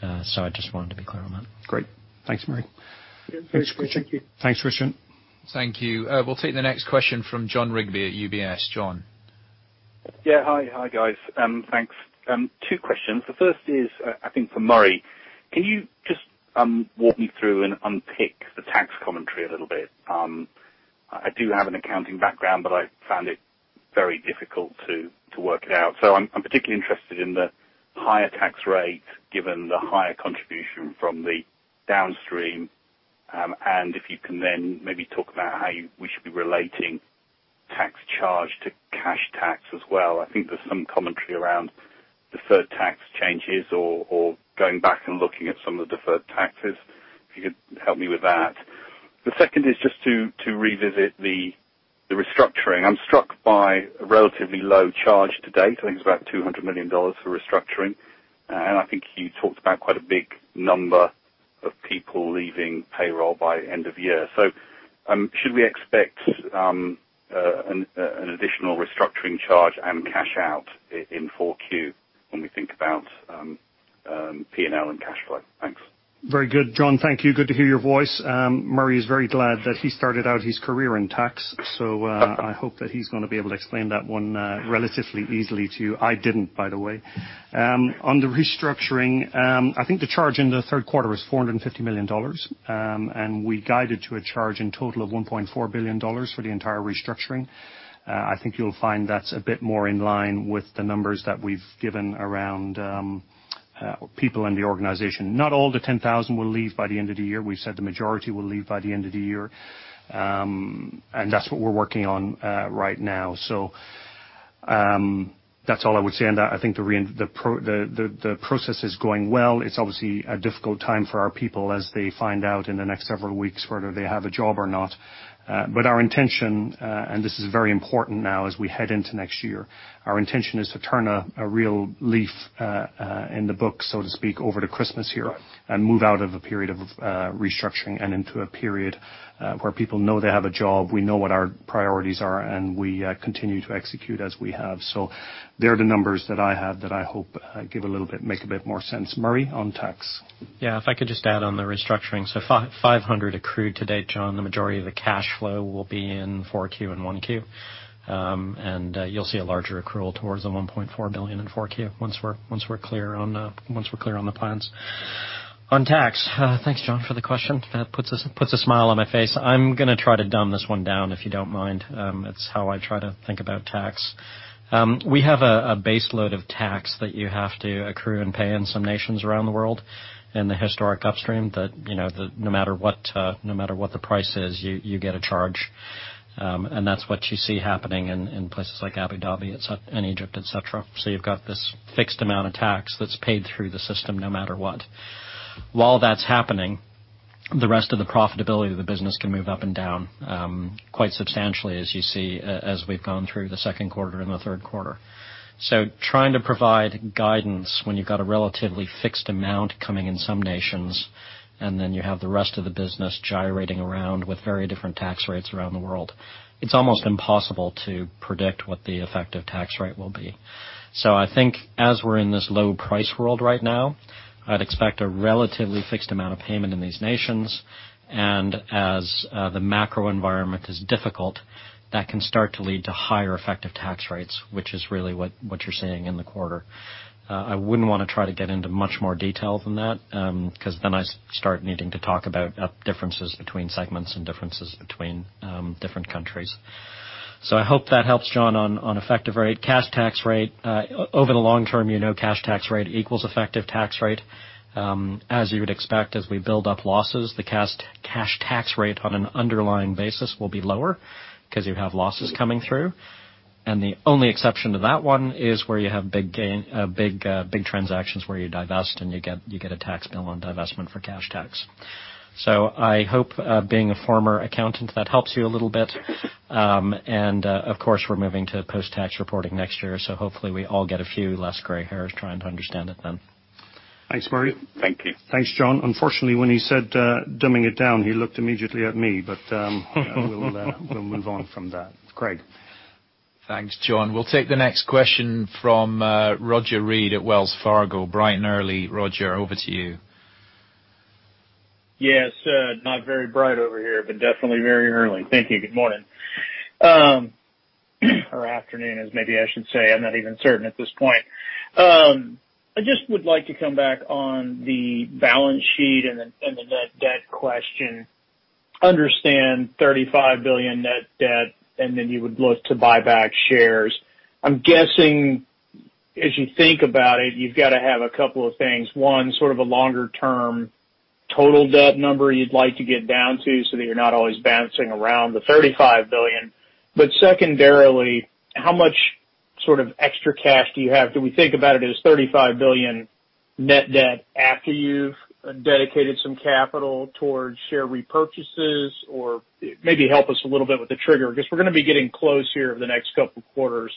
I just wanted to be clear on that.
Great. Thanks, Murray.
Thanks, Christyan.
Thanks, Christyan
Thank you. We'll take the next question from Jon Rigby at UBS. Jon.
Yeah. Hi, guys. Thanks. Two questions. The first is, I think for Murray. Can you just walk me through and unpick the tax commentary a little bit? I do have an accounting background, I found it very difficult to work it out. I'm particularly interested in the higher tax rate, given the higher contribution from the downstream. If you can then maybe talk about how we should be relating tax charge to cash tax as well. I think there's some commentary around deferred tax changes or going back and looking at some of the deferred taxes, if you could help me with that. The second is just to revisit the restructuring. I'm struck by a relatively low charge to date, I think it's about $200 million for restructuring. I think you talked about quite a big number of people leaving payroll by end of year. Should we expect an additional restructuring charge and cash out in 4Q when we think about P&L and cash flow? Thanks.
Very good. Jon, thank you. Good to hear your voice. Murray is very glad that he started out his career in tax. I hope that he's going to be able to explain that one relatively easily to you. I didn't, by the way. On the restructuring, I think the charge in the third quarter was $450 million. We guided to a charge in total of $1.4 billion for the entire restructuring. I think you'll find that's a bit more in line with the numbers that we've given around people in the organization. Not all the 10,000 will leave by the end of the year. We've said the majority will leave by the end of the year. That's what we're working on right now. That's all I would say on that. I think the process is going well. It's obviously a difficult time for our people as they find out in the next several weeks whether they have a job or not. Our intention, and this is very important now as we head into next year, our intention is to turn a real leaf in the book, so to speak, over the Christmas here and move out of a period of restructuring and into a period where people know they have a job, we know what our priorities are, and we continue to execute as we have. They're the numbers that I have that I hope make a bit more sense. Murray, on tax.
Yeah, if I could just add on the restructuring. $500 million accrued to date, Jon. The majority of the cash flow will be in 4Q and 1Q. You'll see a larger accrual towards the $1.4 billion in 4Q, once we're clear on the plans. On tax, thanks, Jon, for the question. That puts a smile on my face. I'm going to try to dumb this one down, if you don't mind. It's how I try to think about tax. We have a base load of tax that you have to accrue and pay in some nations around the world in the historic upstream that no matter what the price is, you get a charge. That's what you see happening in places like Abu Dhabi and Egypt, et cetera. You've got this fixed amount of tax that's paid through the system no matter what. While that's happening, the rest of the profitability of the business can move up and down quite substantially as you see as we've gone through the second quarter and the third quarter. Trying to provide guidance when you've got a relatively fixed amount coming in some nations, and then you have the rest of the business gyrating around with very different tax rates around the world, it's almost impossible to predict what the effective tax rate will be. I think as we're in this low price world right now, I'd expect a relatively fixed amount of payment in these nations. As the macro environment is difficult, that can start to lead to higher effective tax rates, which is really what you're seeing in the quarter. I wouldn't want to try to get into much more detail than that, because then I start needing to talk about differences between segments and differences between different countries. I hope that helps, Jon, on effective rate. Cash tax rate. Over the long term, you know cash tax rate equals effective tax rate. As you would expect, as we build up losses, the cash tax rate on an underlying basis will be lower because you have losses coming through. The only exception to that one is where you have big transactions where you divest and you get a tax bill on divestment for cash tax. I hope, being a former accountant, that helps you a little bit. Of course, we're moving to post-tax reporting next year. Hopefully we all get a few less gray hairs trying to understand it then.
Thanks, Murray.
Thank you.
Thanks, Jon. Unfortunately, when he said dumbing it down, he looked immediately at me. We'll move on from that. Craig.
Thanks, Jon. We'll take the next question from Roger Read at Wells Fargo. Bright and early, Roger, over to you.
Yes. Not very bright over here, but definitely very early. Thank you. Good morning. Or afternoon as maybe I should say. I'm not even certain at this point. I just would like to come back on the balance sheet and the net debt question. Understand $35 billion net debt. Then you would look to buy back shares. I'm guessing as you think about it, you've got to have a couple of things. One, sort of a longer term total debt number you'd like to get down to so that you're not always bouncing around the $35 billion. Secondarily, how much sort of extra cash do you have? Do we think about it as $35 billion net debt after you've dedicated some capital towards share repurchases? Maybe help us a little bit with the trigger, because we're going to be getting close here over the next couple quarters,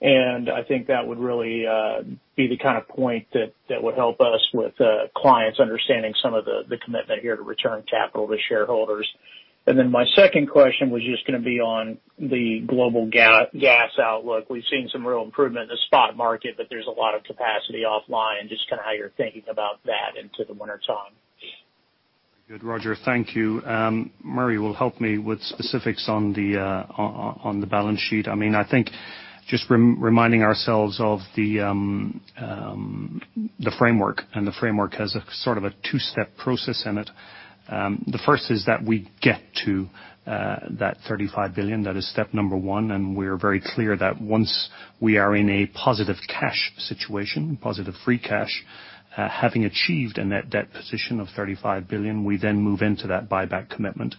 and I think that would really be the kind of point that would help us with clients understanding some of the commitment here to return capital to shareholders. My second question was just going to be on the global gas outlook. We've seen some real improvement in the spot market, but there's a lot of capacity offline. Just kind of how you're thinking about that into the wintertime.
Good, Roger. Thank you. Murray will help me with specifics on the balance sheet. I think just reminding ourselves of the framework, and the framework has a sort of a two-step process in it. The first is that we get to that $35 billion. That is step number one, and we are very clear that once we are in a positive cash situation, positive free cash, having achieved a net debt position of $35 billion, we then move into that buyback commitment.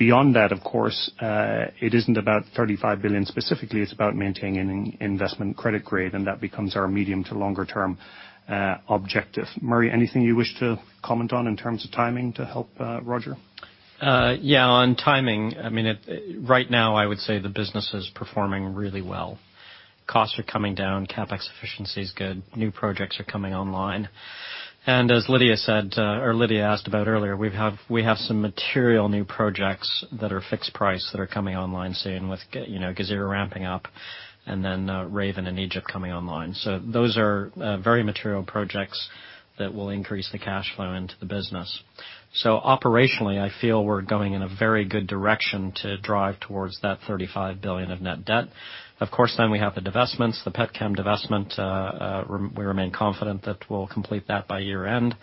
Beyond that, of course, it isn't about $35 billion specifically. It's about maintaining an investment credit grade, and that becomes our medium to longer term objective. Murray, anything you wish to comment on in terms of timing to help Roger?
Yeah. On timing, right now I would say the business is performing really well. Costs are coming down, CapEx efficiency's good. New projects are coming online. As Lydia said, or Lydia asked about earlier, we have some material new projects that are fixed price that are coming online soon with Ghazeer ramping up, and then Raven and Egypt coming online. Those are very material projects that will increase the cash flow into the business. Operationally, I feel we're going in a very good direction to drive towards that $35 billion of net debt. Of course, we have the divestments, the Petchems divestment, we remain confident that we'll complete that by year-end.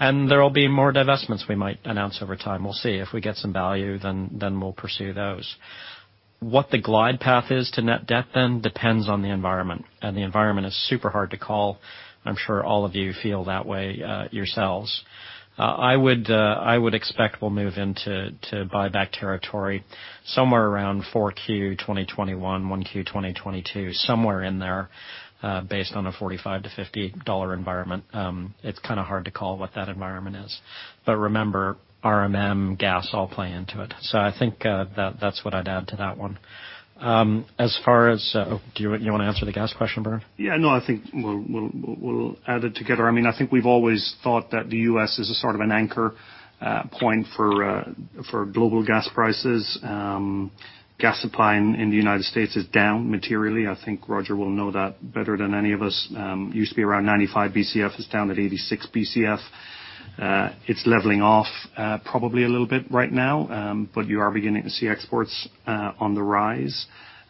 There will be more divestments we might announce over time. We'll see. If we get some value, then we'll pursue those. What the glide path is to net debt then depends on the environment. The environment is super hard to call. I'm sure all of you feel that way yourselves. I would expect we'll move into buyback territory somewhere around 4Q 2021, 1Q 2022, somewhere in there, based on a $45-$50 environment. It's kind of hard to call what that environment is. Remember, RMM, gas all play into it. I think that's what I'd add to that one. Do you want to answer the gas question, Bernard?
Yeah, no, I think we'll add it together. I think we've always thought that the U.S. is a sort of an anchor point for global gas prices. Gas supply in the United States is down materially. I think Roger will know that better than any of us. Used to be around 95 BCF, it's down at 86 BCF. It's leveling off probably a little bit right now. You are beginning to see exports on the rise.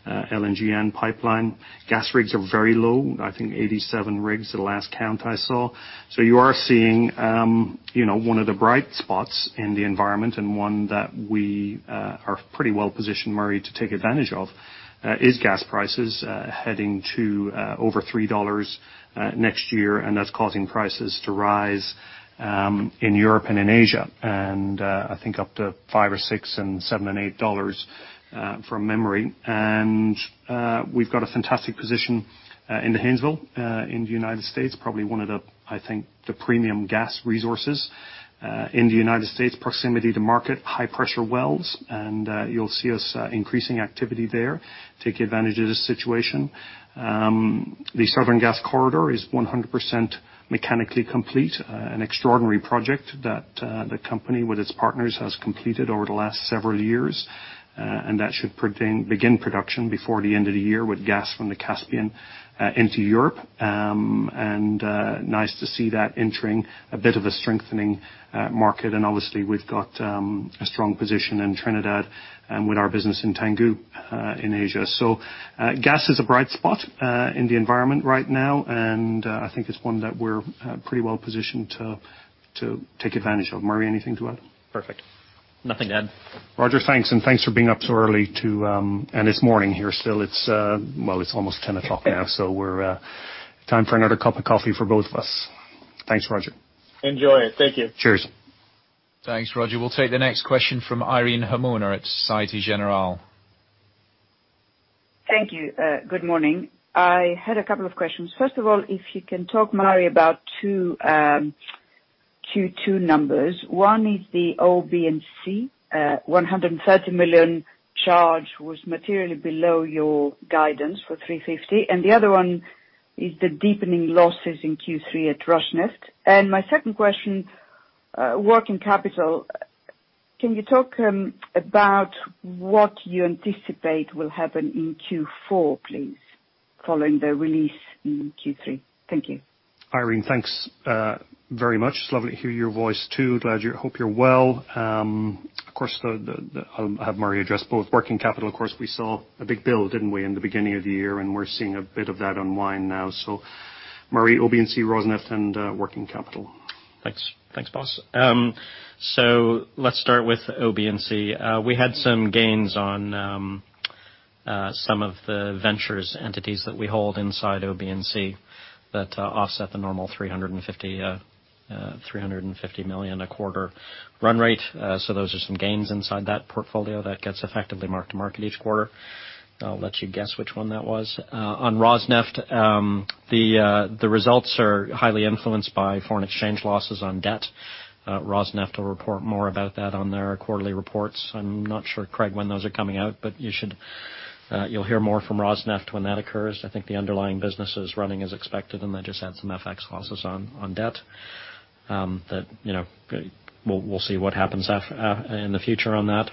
LNG and pipeline gas rigs are very low. I think 87 rigs the last count I saw. You are seeing one of the bright spots in the environment and one that we are pretty well positioned, Murray, to take advantage of, is gas prices heading to over $3 next year. That's causing prices to rise in Europe and in Asia. I think up to $5 or $6 and $7 and $8, from memory. We've got a fantastic position in the Haynesville in the United States, probably one of the premium gas resources in the United States, proximity to market, high pressure wells. You'll see us increasing activity there, taking advantage of the situation. The Southern Gas Corridor is 100% mechanically complete, an extraordinary project that the company with its partners has completed over the last several years. That should begin production before the end of the year with gas from the Caspian into Europe. Nice to see that entering a bit of a strengthening market. Obviously we've got a strong position in Trinidad and with our business in Tangguh in Asia. Gas is a bright spot in the environment right now, and I think it's one that we're pretty well positioned to take advantage of. Murray, anything to add?
Perfect. Nothing to add.
Roger, Thanks. Thanks for being up so early too. It's morning here still. Well, it's almost 10:00 A.M. now, so time for another cup of coffee for both of us. Thanks, Roger.
Enjoy. Thank you.
Cheers.
Thanks, Roger. We'll take the next question from Irene Himona at Société Générale.
Thank you. Good morning. I had a couple of questions. First of all, if you can talk, Murray, about two numbers. One is the OB&C, $130 million charge was materially below your guidance for $350 million. The other one is the deepening losses in Q3 at Rosneft. My second question, working capital. Can you talk about what you anticipate will happen in Q4, please, following the release in Q3? Thank you.
Irene, thanks very much. It's lovely to hear your voice, too. Hope you're well. Of course, I'll have Murray address both working capital. Of course, we saw a big build, didn't we, in the beginning of the year, and we're seeing a bit of that unwind now. Murray, OB&C Rosneft and working capital.
Thanks. Thanks, boss. Let's start with OB&C. We had some gains on some of the ventures entities that we hold inside OB&C that offset the normal $350 million a quarter run rate. Those are some gains inside that portfolio that gets effectively marked to market each quarter. I'll let you guess which one that was. On Rosneft, the results are highly influenced by foreign exchange losses on debt. Rosneft will report more about that on their quarterly reports. I'm not sure, Craig, when those are coming out, you'll hear more from Rosneft when that occurs. I think the underlying business is running as expected, they just had some FX losses on debt. We'll see what happens in the future on that.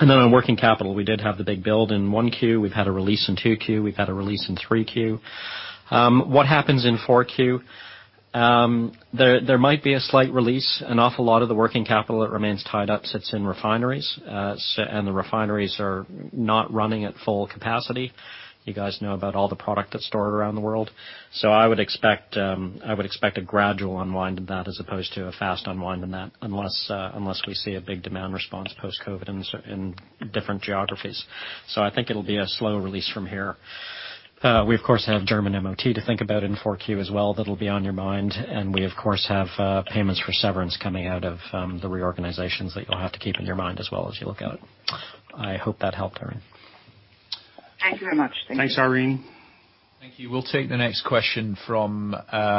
On working capital, we did have the big build in 1Q, we've had a release in 2Q, we've had a release in 3Q. What happens in 4Q? There might be a slight release. An awful lot of the working capital that remains tied up sits in refineries, and the refineries are not running at full capacity. You guys know about all the product that's stored around the world. I would expect a gradual unwind in that as opposed to a fast unwind in that, unless we see a big demand response post-COVID in different geographies. I think it'll be a slow release from here. We of course, have German MOT to think about in 4Q as well. That'll be on your mind. We of course, have payments for severance coming out of the reorganizations that you'll have to keep in your mind as well as you look out. I hope that helped, Irene.
Thank you very much. Thank you.
Thanks, Irene.
Thank you. We'll take the next question from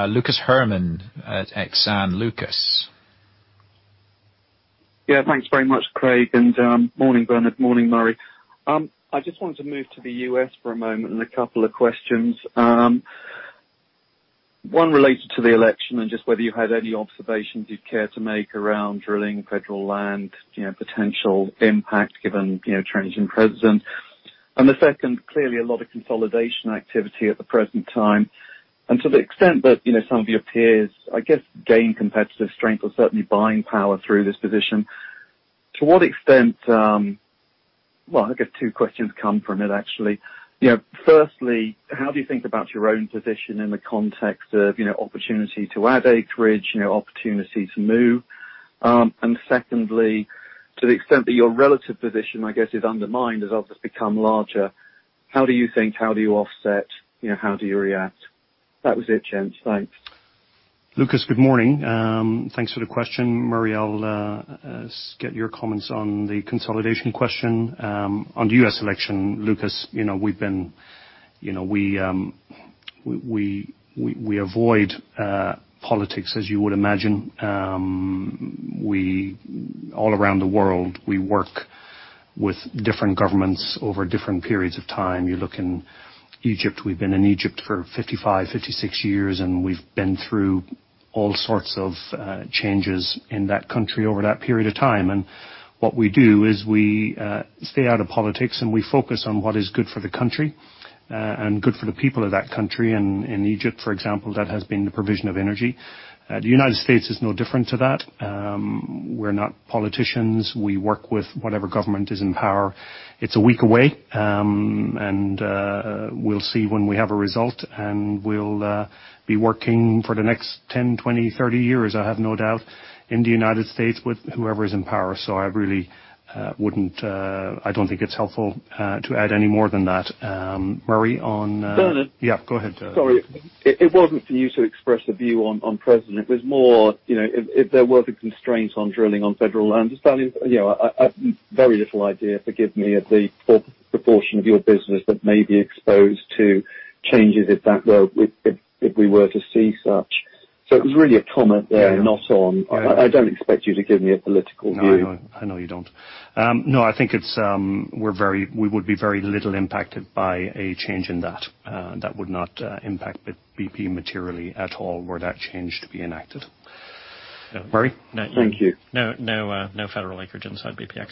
Lucas Herrmann at Exane. Lucas.
Yeah. Thanks very much, Craig. Morning Bernard, morning Murray. I just wanted to move to the U.S. for a moment, and a couple of questions. One related to the election and just whether you had any observations you'd care to make around drilling federal land, potential impact given changing president. The second, clearly a lot of consolidation activity at the present time. To the extent that some of your peers, I guess, gain competitive strength or certainly buying power through this position. To what extent Well, I guess two questions come from it, actually. Firstly, how do you think about your own position in the context of opportunity to add acreage, opportunity to move? Secondly, to the extent that your relative position, I guess, is undermined as others become larger, how do you think, how do you offset, how do you react? That was it, gents. Thanks.
Lucas, good morning. Thanks for the question. Murray, I'll get your comments on the consolidation question. On the U.S. election, Lucas, we avoid politics, as you would imagine. All around the world, we work with different governments over different periods of time. You look in Egypt, we've been in Egypt for 55, 56 years, and we've been through all sorts of changes in that country over that period of time. What we do, is we stay out of politics, and we focus on what is good for the country, and good for the people of that country. In Egypt, for example, that has been the provision of energy. The United States is no different to that. We're not politicians. We work with whatever government is in power. It's a week away. We'll see when we have a result, and we'll be working for the next 10, 20, 30 years, I have no doubt, in the United States with whoever's in power. I don't think it's helpful to add any more than that. Murray.
Bernard?
Yeah, go ahead.
Sorry. It wasn't for you to express a view on President. It was more, if there were constraints on drilling on federal lands. Very little idea, forgive me, of the proportion of your business that may be exposed to changes if we were to see such. It was really a comment there. I don't expect you to give me a political view.
No, I know you don't. No, I think we would be very little impacted by a change in that. That would not impact BP materially at all were that change to be enacted. Murray?
Thank you.
No federal acreage inside BPX.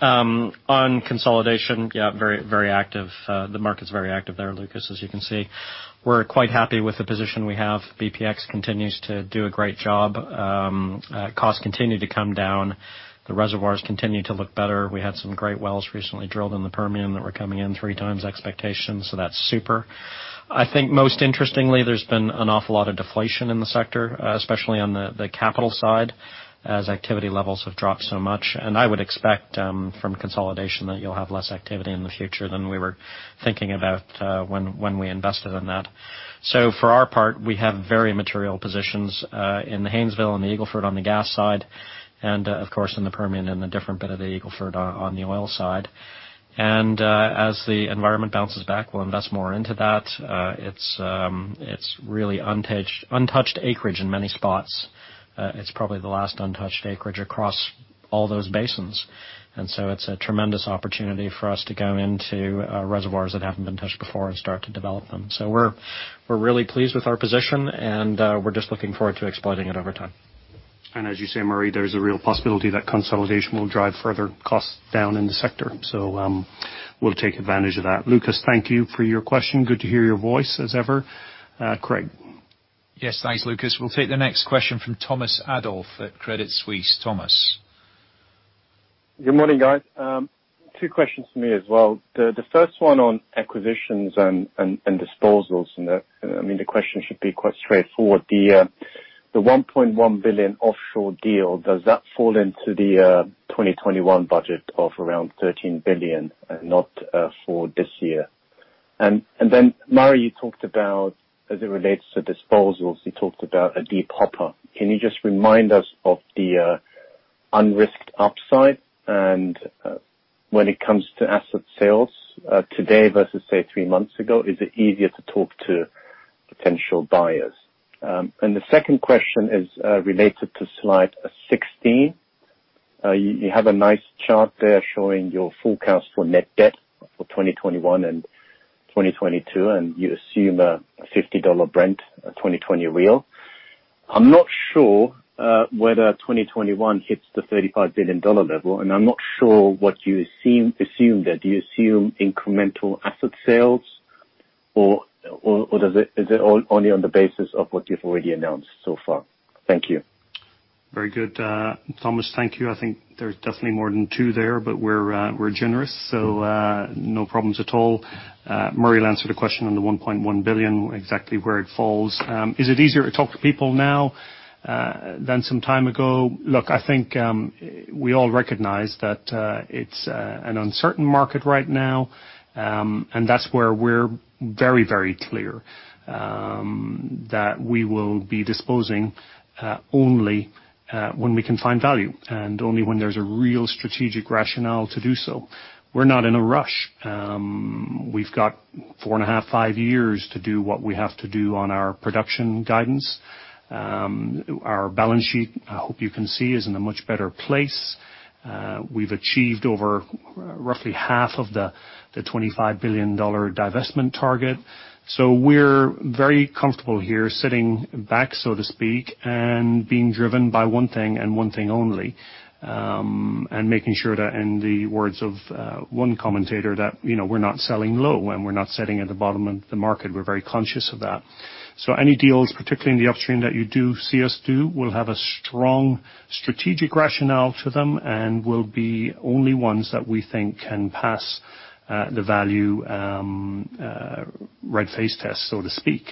On consolidation, very active. The market's very active there, Lucas, as you can see. We're quite happy with the position we have. BPX continues to do a great job. Costs continue to come down. The reservoirs continue to look better. We had some great wells recently drilled in the Permian that were coming in three times expectations, so that's super. I think most interestingly, there's been an awful lot of deflation in the sector, especially on the capital side, as activity levels have dropped so much. I would expect from consolidation that you'll have less activity in the future than we were thinking about when we invested in that. For our part, we have very material positions, in the Haynesville and the Eagle Ford on the gas side. Of course, in the Permian and the different bit of the Eagle Ford on the oil side. As the environment bounces back, we'll invest more into that. It's really untouched acreage in many spots. It's probably the last untouched acreage across all those basins. It's a tremendous opportunity for us to go into reservoirs that haven't been touched before and start to develop them. We're really pleased with our position, and we're just looking forward to exploiting it over time.
As you say, Murray, there's a real possibility that consolidation will drive further costs down in the sector. We'll take advantage of that. Lucas, thank you for your question. Good to hear your voice as ever. Craig.
Yes. Thanks, Lucas. We'll take the next question from Thomas Adolff at Credit Suisse. Thomas.
Good morning, guys. Two questions from me as well. The first one on acquisitions and disposals. The question should be quite straightforward. The $1.1 billion offshore deal, does that fall into the 2021 budget of around $13 billion and not for this year? Murray, you talked about as it relates to disposals, you talked about a deep hopper. Can you just remind us of the un-risked upside and when it comes to asset sales today versus say three months ago, is it easier to talk to potential buyers? The second question is related to slide 16. You have a nice chart there showing your forecast for net debt for 2021 and 2022, and you assume a $50 Brent, a 2020 real. I'm not sure whether 2021 hits the $35 billion level, and I'm not sure what you assumed there. Do you assume incremental asset sales or is it only on the basis of what you've already announced so far? Thank you.
Very good, Thomas. Thank you. I think there's definitely more than two there. We're generous, so no problems at all. Murray will answer the question on the $1.1 billion, exactly where it falls. Is it easier to talk to people now than some time ago? Look, I think we all recognize that it's an uncertain market right now. That's where we're very clear that we will be disposing only when we can find value, and only when there's a real strategic rationale to do so. We're not in a rush. We've got four and a half, five years to do what we have to do on our production guidance. Our balance sheet, I hope you can see, is in a much better place. We've achieved over roughly half of the $25 billion divestment target. We're very comfortable here, sitting back, so to speak, and being driven by one thing and one thing only, and making sure that in the words of one commentator, that we're not selling low, and we're not sitting at the bottom of the market. We're very conscious of that. Any deals, particularly in the upstream that you do see us do, will have a strong strategic rationale to them and will be only ones that we think can pass the value red face test, so to speak,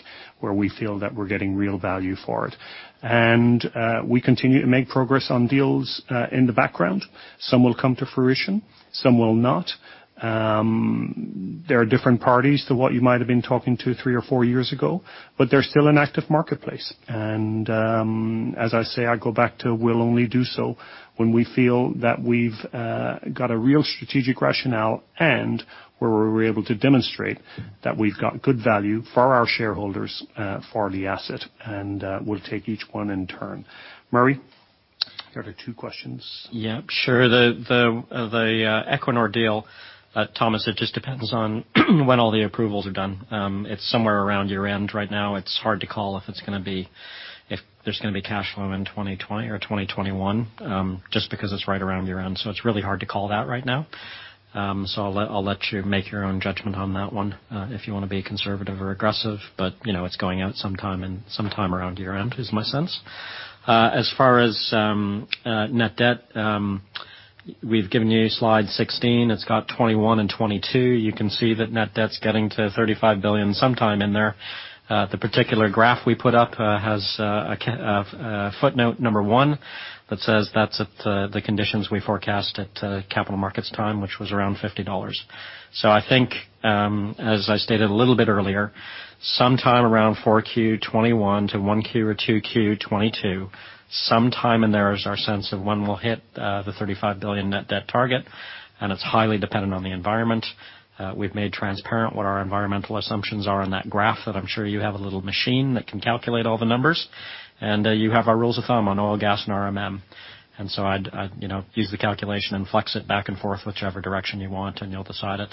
where we feel that we're getting real value for it. We continue to make progress on deals in the background. Some will come to fruition, some will not. There are different parties to what you might have been talking to three or four years ago, but they're still an active marketplace. As I say, I go back to we'll only do so when we feel that we've got a real strategic rationale and where we're able to demonstrate that we've got good value for our shareholders for the asset, and we'll take each one in turn. Murray, there are the two questions.
Yeah. Sure. The Equinor deal, Thomas, it just depends on when all the approvals are done. It's somewhere around year-end right now. It's hard to call if there's going to be cash flow in 2020 or 2021, just because it's right around year-end. It's really hard to call that right now. I'll let you make your own judgment on that one, if you want to be conservative or aggressive. It's going out sometime around year-end, is my sense. As far as net debt, we've given you slide 16. It's got 2021 and 2022. You can see that net debt's getting to $35 billion sometime in there. The particular graph we put up has footnote number one that says that's at the conditions we forecast at capital markets time, which was around $50. I think, as I stated a little bit earlier, sometime around 4Q 2021 to 1Q or 2Q 2022, sometime in there is our sense of when we'll hit the $35 billion net debt target, and it's highly dependent on the environment. We've made transparent what our environmental assumptions are on that graph, that I'm sure you have a little machine that can calculate all the numbers. You have our rules of thumb on oil, gas, and RMM. I'd use the calculation and flex it back and forth, whichever direction you want, and you'll decide it.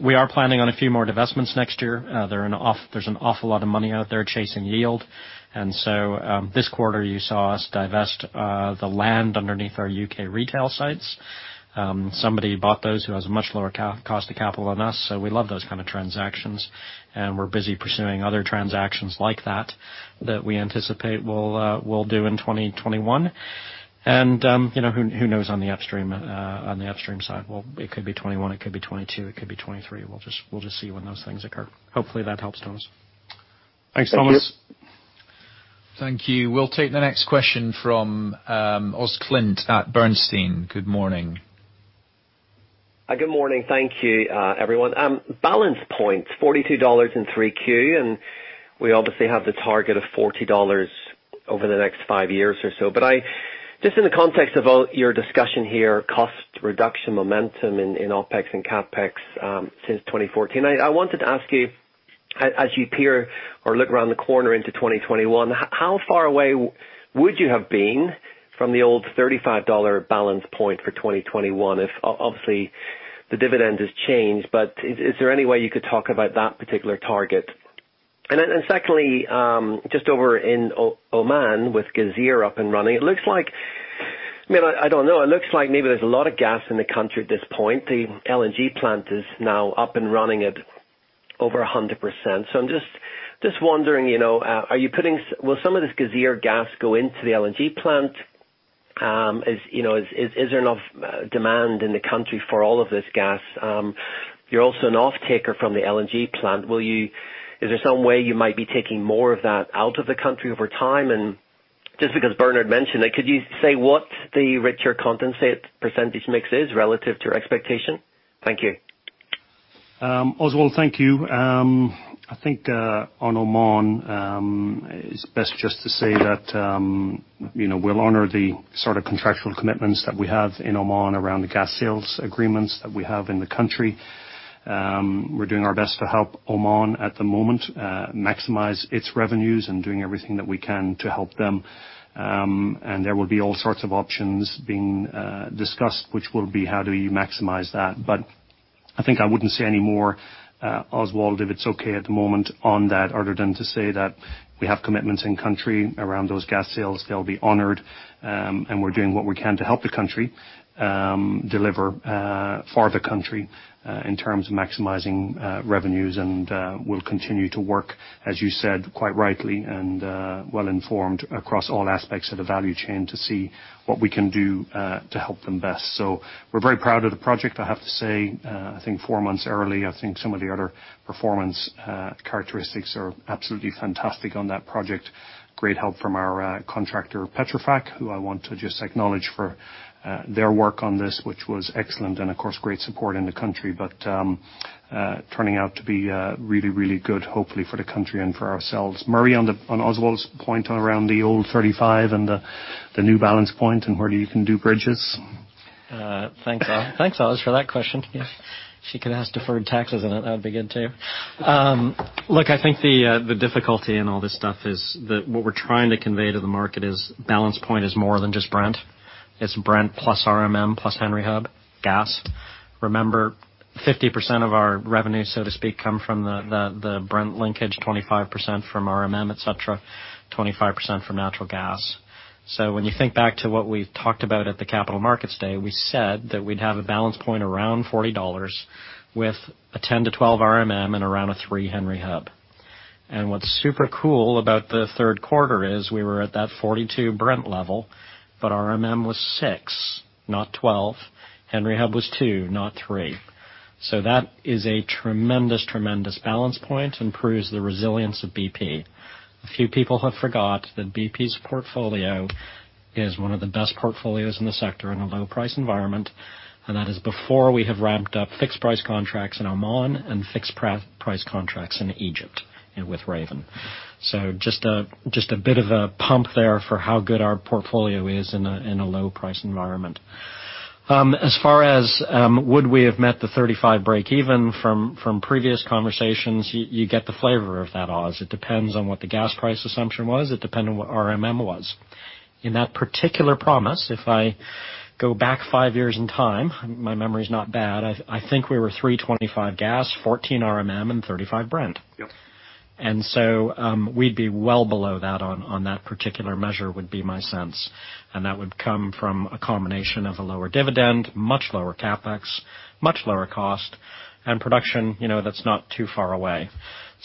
We are planning on a few more divestments next year. There's an awful lot of money out there chasing yield. This quarter, you saw us divest the land underneath our U.K. retail sites. Somebody bought those who has a much lower cost of capital than us. We love those kind of transactions, and we're busy pursuing other transactions like that we anticipate we'll do in 2021. Who knows on the upstream side? It could be 2021, it could be 2022, it could be 2023. We'll just see when those things occur. Hopefully, that helps, Thomas.
Thanks.
Thanks, Thomas.
Thank you. We'll take the next question from Oz Clint at Bernstein. Good morning.
Good morning. Thank you, everyone. Balance points, $42 in 3Q. We obviously have the target of $40 over the next five years or so. Just in the context of all your discussion here, cost reduction, momentum in OpEx and CapEx since 2014, I wanted to ask you, as you peer or look around the corner into 2021, how far away would you have been from the old $35 balance point for 2021 if, obviously, the dividend has changed? Is there any way you could talk about that particular target? Secondly, just over in Oman with Ghazeer up and running, it looks like maybe there's a lot of gas in the country at this point. The LNG plant is now up and running at over 100%. I'm just wondering, will some of this Ghazeer gas go into the LNG plant? Is there enough demand in the country for all of this gas? You're also an offtaker from the LNG plant. Is there some way you might be taking more of that out of the country over time? Just because Bernard mentioned it, could you say what the richer condensate percentage mix is relative to your expectation? Thank you.
Oswald, thank you. I think on Oman, it's best just to say that we'll honor the sort of contractual commitments that we have in Oman around the gas sales agreements that we have in the country. We're doing our best to help Oman at the moment maximize its revenues and doing everything that we can to help them. There will be all sorts of options being discussed, which will be how do we maximize that. I think I wouldn't say any more, Oswald, if it's okay at the moment on that, other than to say that we have commitments in country around those gas sales. They'll be honored. We're doing what we can to help the country deliver for the country, in terms of maximizing revenues. We'll continue to work, as you said, quite rightly and well-informed across all aspects of the value chain to see what we can do to help them best. We're very proud of the project, I have to say. I think four months early, I think some of the other performance characteristics are absolutely fantastic on that project. Great help from our contractor, Petrofac, who I want to just acknowledge for their work on this, which was excellent. Of course, great support in the country. Turning out to be really good, hopefully, for the country and for ourselves. Murray, on Oswald's point around the old $35 and the new balance point and where you can do bridges?
Thanks, Os, for that question. If you could ask deferred taxes on it, that'd be good, too. Look, I think the difficulty in all this stuff is that what we're trying to convey to the market is balance point is more than just Brent. It's Brent plus RMM, plus Henry Hub, gas. Remember, 50% of our revenue, so to speak, come from the Brent linkage, 25% from RMM, et cetera, 25% from natural gas. When you think back to what we've talked about at the Capital Markets Day, we said that we'd have a balance point around $40 with a $10-$12 RMM and around a $3 Henry Hub. What's super cool about the third quarter is we were at that $42 Brent level, but RMM was $6, not $12. Henry Hub was $2, not $3. That is a tremendous balance point and proves the resilience of BP. A few people have forgot that BP's portfolio is one of the best portfolios in the sector in a low price environment. That is before we have ramped up fixed price contracts in Oman and fixed price contracts in Egypt with Raven. Just a bit of a pump there for how good our portfolio is in a low price environment. As far as would we have met the $35 break even from previous conversations, you get the flavor of that, Os. It depends on what the gas price assumption was. It depended on what RMM was. In that particular promise, if I go back five years in time, my memory's not bad, I think we were $3.25 gas, $14 RMM, and $35 Brent.
Yep.
We'd be well below that on that particular measure, would be my sense. And that would come from a combination of a lower dividend, much lower CapEx, much lower cost, and production that's not too far away.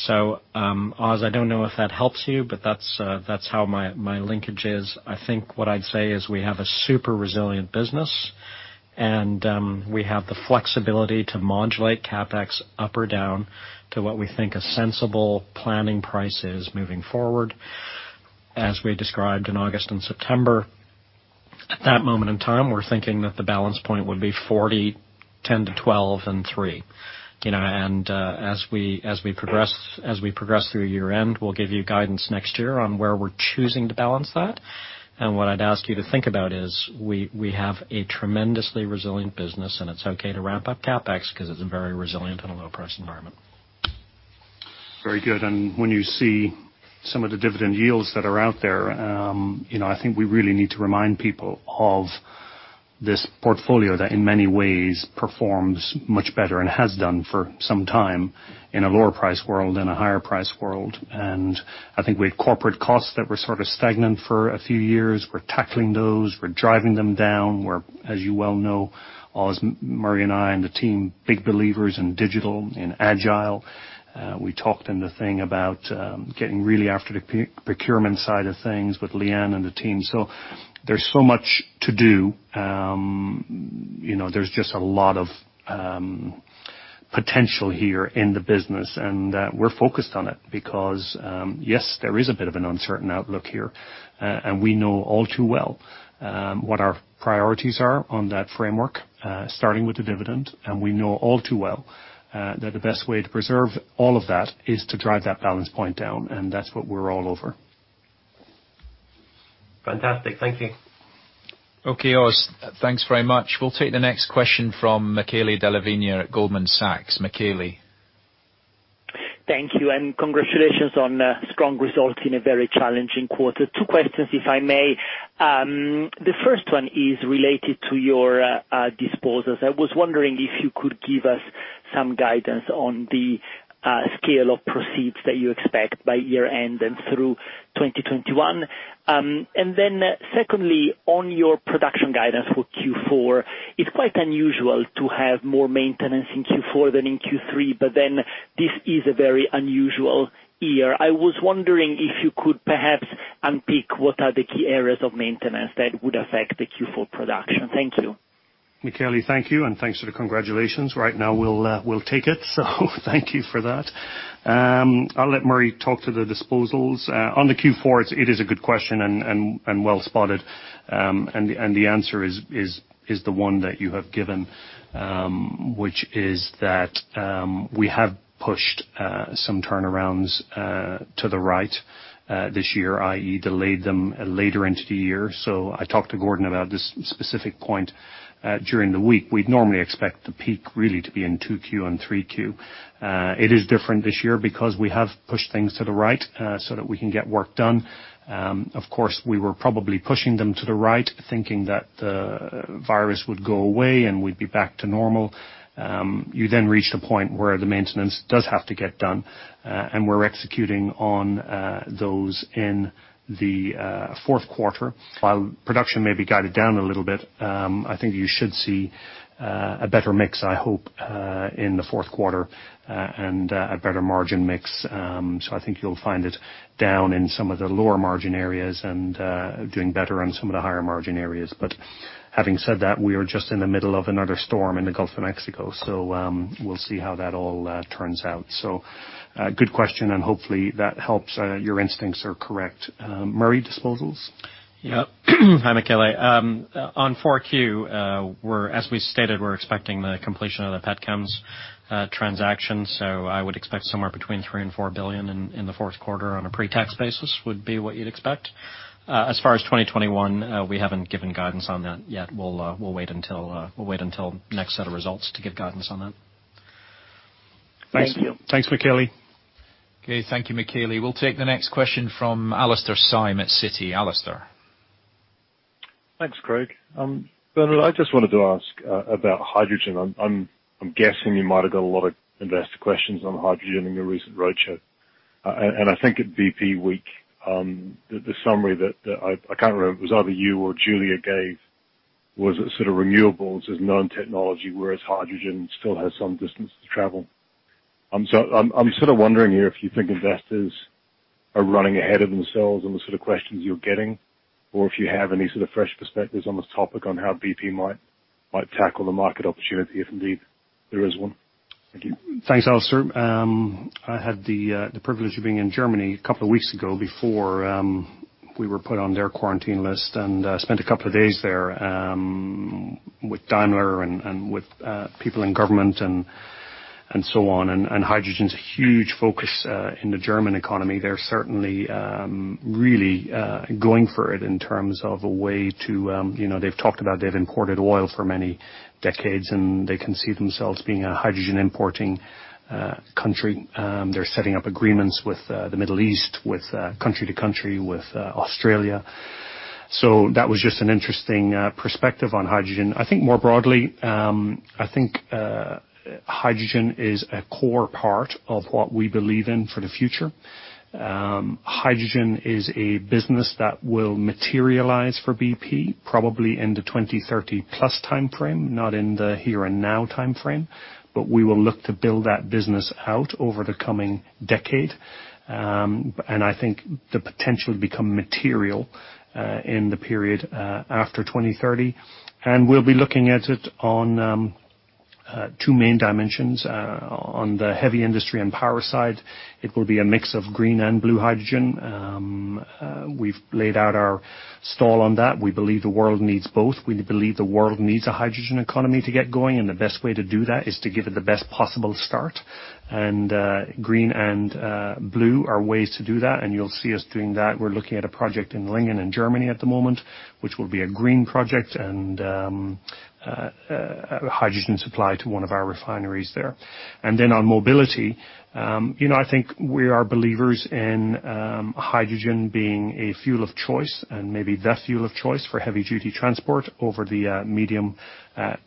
Oz, I don't know if that helps you, but that's how my linkage is. I think what I'd say is we have a super resilient business, and we have the flexibility to modulate CapEx up or down to what we think a sensible planning price is moving forward. As we described in August and September, at that moment in time, we're thinking that the balance point would be $40, $10-$12, and $3. And as we progress through year-end, we'll give you guidance next year on where we're choosing to balance that. What I'd ask you to think about is we have a tremendously resilient business, and it's okay to ramp up CapEx because it's very resilient in a low price environment.
Very good. When you see some of the dividend yields that are out there, I think we really need to remind people of this portfolio that in many ways performs much better and has done for some time in a lower price world than a higher price world. I think we have corporate costs that were sort of stagnant for a few years. We're tackling those. We're driving them down. We're, as you well know, Os, Murray and I and the team, big believers in digital and agile. We talked in the thing about getting really after the procurement side of things with Leigh-Ann and the team. There's so much to do. There's just a lot of potential here in the business, and we're focused on it because, yes, there is a bit of an uncertain outlook here. We know all too well what our priorities are on that framework, starting with the dividend. We know all too well, that the best way to preserve all of that is to drive that balance point down, and that's what we're all over.
Fantastic. Thank you.
Okay, Oz. Thanks very much. We'll take the next question from Michele Della Vigna at Goldman Sachs. Michele.
Thank you. Congratulations on strong results in a very challenging quarter. Two questions, if I may. The first one is related to your disposals. I was wondering if you could give us some guidance on the scale of proceeds that you expect by year-end and through 2021. Secondly, on your production guidance for Q4, it's quite unusual to have more maintenance in Q4 than in Q3, but then this is a very unusual year. I was wondering if you could perhaps unpick what are the key areas of maintenance that would affect the Q4 production. Thank you.
Michele, thank you. Thanks for the congratulations. Right now, we'll take it. Thank you for that. I'll let Murray talk to the disposals. On the Q4, it is a good question and well spotted. The answer is the one that you have given, which is that we have pushed some turnarounds to the right this year, i.e., delayed them later into the year. I talked to Gordon about this specific point during the week. We'd normally expect the peak really to be in Q2 and Q3. It is different this year because we have pushed things to the right so that we can get work done. Of course, we were probably pushing them to the right, thinking that the virus would go away and we'd be back to normal. You then reach the point where the maintenance does have to get done, and we're executing on those in the fourth quarter. While production may be guided down a little bit, I think you should see a better mix, I hope, in the fourth quarter, and a better margin mix. I think you'll find it down in some of the lower margin areas and doing better on some of the higher margin areas. Having said that, we are just in the middle of another storm in the Gulf of Mexico. We'll see how that all turns out. Good question, and hopefully that helps. Your instincts are correct. Murray Disposals?
Yep. Hi, Michele. On Q4, as we stated, we're expecting the completion of the Petchems transaction. I would expect somewhere between $3 billion-$4 billion in the fourth quarter on a pre-tax basis, would be what you'd expect. As far as 2021, we haven't given guidance on that yet. We'll wait until next set of results to give guidance on that.
Thanks.
Thank you.
Thanks, Michele.
Okay, thank you, Michele. We'll take the next question from Alastair Syme at Citi. Alastair.
Thanks, Craig. Bernard, I just wanted to ask about hydrogen. I'm guessing you might have got a lot of investor questions on hydrogen in your recent roadshow. I think at bp week, the summary that, I can't remember, it was either you or Giulia gave, was that sort of renewables is known technology, whereas hydrogen still has some distance to travel. I'm sort of wondering here if you think investors are running ahead of themselves on the sort of questions you're getting, or if you have any sort of fresh perspectives on this topic on how BP might tackle the market opportunity, if indeed there is one. Thank you.
Thanks, Alastair. I had the privilege of being in Germany a couple of weeks ago before we were put on their quarantine list, and spent a couple of days there with Daimler and with people in government and so on. Hydrogen's a huge focus in the German economy. They're certainly really going for it in terms of a way. They've talked about they've imported oil for many decades, they can see themselves being a hydrogen importing country. They're setting up agreements with the Middle East, with country to country, with Australia. That was just an interesting perspective on hydrogen. I think more broadly, I think hydrogen is a core part of what we believe in for the future. Hydrogen is a business that will materialize for BP, probably in the 2030+ timeframe, not in the here and now timeframe. We will look to build that business out over the coming decade. I think the potential to become material in the period after 2030. We'll be looking at it on two main dimensions. On the heavy industry and power side, it will be a mix of green and blue hydrogen. We've laid out our stall on that. We believe the world needs both. We believe the world needs a hydrogen economy to get going, and the best way to do that is to give it the best possible start. Green and blue are ways to do that, and you'll see us doing that. We're looking at a project in Lingen in Germany at the moment, which will be a green project and a hydrogen supply to one of our refineries there. On mobility, I think we are believers in hydrogen being a fuel of choice and maybe the fuel of choice for heavy duty transport over the medium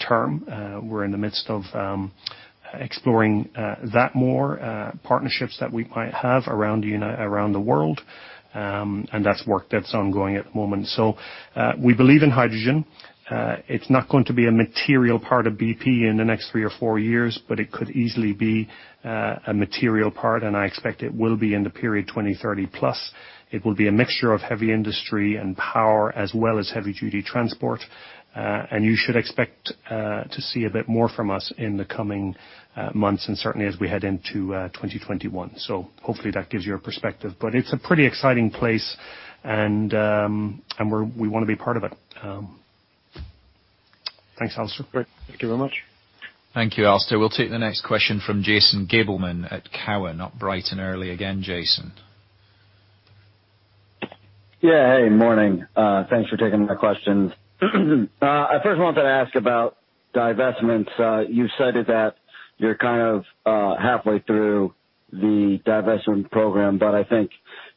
term. We're in the midst of exploring that more, partnerships that we might have around the world. That's work that's ongoing at the moment. We believe in hydrogen. It's not going to be a material part of BP in the next three or four years, but it could easily be a material part, and I expect it will be in the period 2030+. It will be a mixture of heavy industry and power, as well as heavy duty transport. You should expect to see a bit more from us in the coming months, and certainly as we head into 2021. Hopefully that gives you a perspective. It's a pretty exciting place and we want to be part of it. Thanks, Alastair.
Great. Thank you very much.
Thank you, Alastair. We'll take the next question from Jason Gabelman at Cowen. Up bright and early again, Jason.
Yeah. Hey, morning. Thanks for taking my questions. I first wanted to ask about divestments. You've said that you're kind of halfway through the divestment program, but I think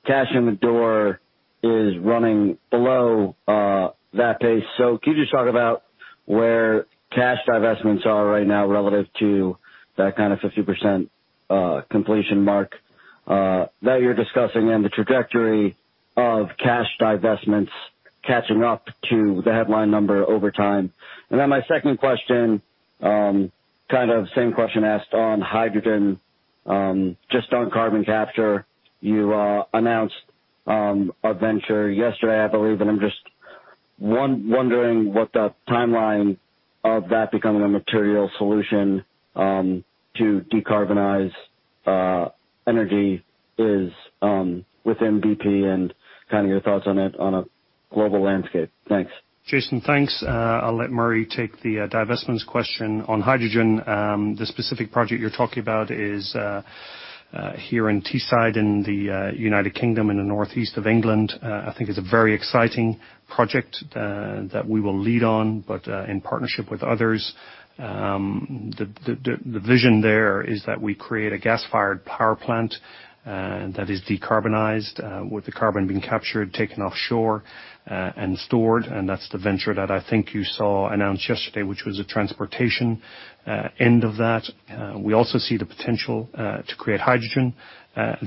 cash in the door is running below that pace. Can you just talk about where cash divestments are right now relative to that kind of 50% completion mark that you're discussing, and the trajectory of cash divestments catching up to the headline number over time. My second question, kind of same question asked on hydrogen. Just on carbon capture, you announced a venture yesterday, I believe, and I'm just wondering what the timeline of that becoming a material solution to decarbonize energy is within BP and kind of your thoughts on it on a global landscape. Thanks.
Jason, thanks. I'll let Murray take the divestments question. On hydrogen, the specific project you're talking about is here in Teesside in the United Kingdom, in the North East of England. I think it's a very exciting project that we will lead on, but in partnership with others. The vision there is that we create a gas-fired power plant that is decarbonized, with the carbon being captured, taken offshore, and stored. That's the venture that I think you saw announced yesterday, which was the transportation end of that. We also see the potential to create hydrogen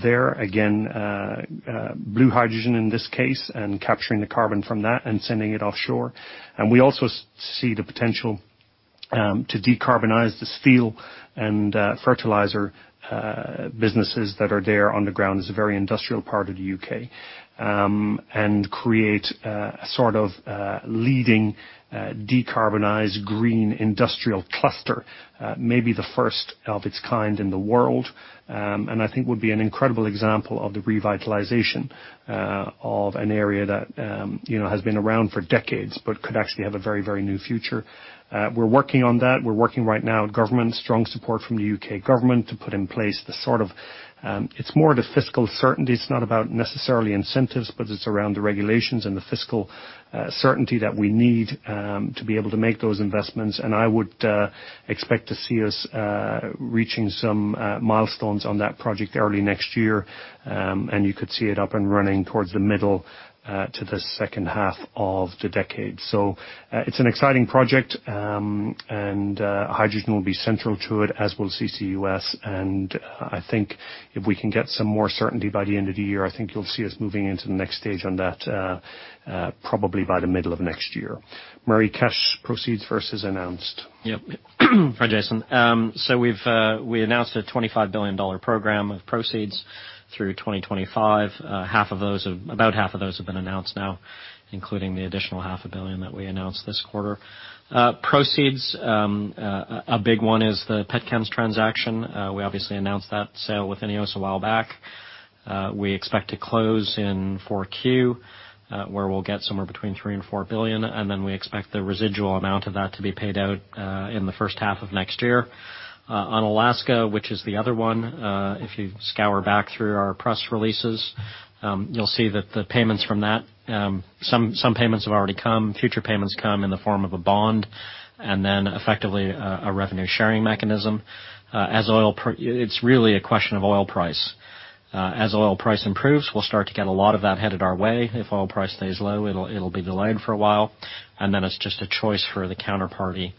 there. Again, blue hydrogen in this case, and capturing the carbon from that and sending it offshore. We also see the potential to decarbonize the steel and fertilizer businesses that are there on the ground. It's a very industrial part of the UK. Create a sort of leading decarbonized green industrial cluster. I think would be an incredible example of the revitalization of an area that has been around for decades but could actually have a very new future. We're working on that. We're working right now with government, strong support from the U.K. government to put in place the sort of-- It's more the fiscal certainty. It's not about necessarily incentives, but it's around the regulations and the fiscal certainty that we need to be able to make those investments. I would expect to see us reaching some milestones on that project early next year. You could see it up and running towards the middle to the second half of the decade. It's an exciting project, and hydrogen will be central to it, as will CCUS. I think if we can get some more certainty by the end of the year, I think you'll see us moving into the next stage on that, probably by the middle of next year. Murray, cash proceeds versus announced?
Yep. Hi, Jason. We announced a $25 billion program of proceeds through 2025. About half of those have been announced now, including the additional half a billion that we announced this quarter. Proceeds, a big one is the Petchems transaction. We obviously announced that sale with INEOS a while back. We expect to close in 4Q, where we'll get somewhere between $3 billion and $4 billion, and then we expect the residual amount of that to be paid out in the first half of next year. On Alaska, which is the other one, if you scour back through our press releases, you'll see that the payments from that, some payments have already come. Future payments come in the form of a bond and then effectively a revenue-sharing mechanism. It's really a question of oil price. As oil price improves, we'll start to get a lot of that headed our way. If oil price stays low, it'll be delayed for a while, and then it's just a choice for the counterparty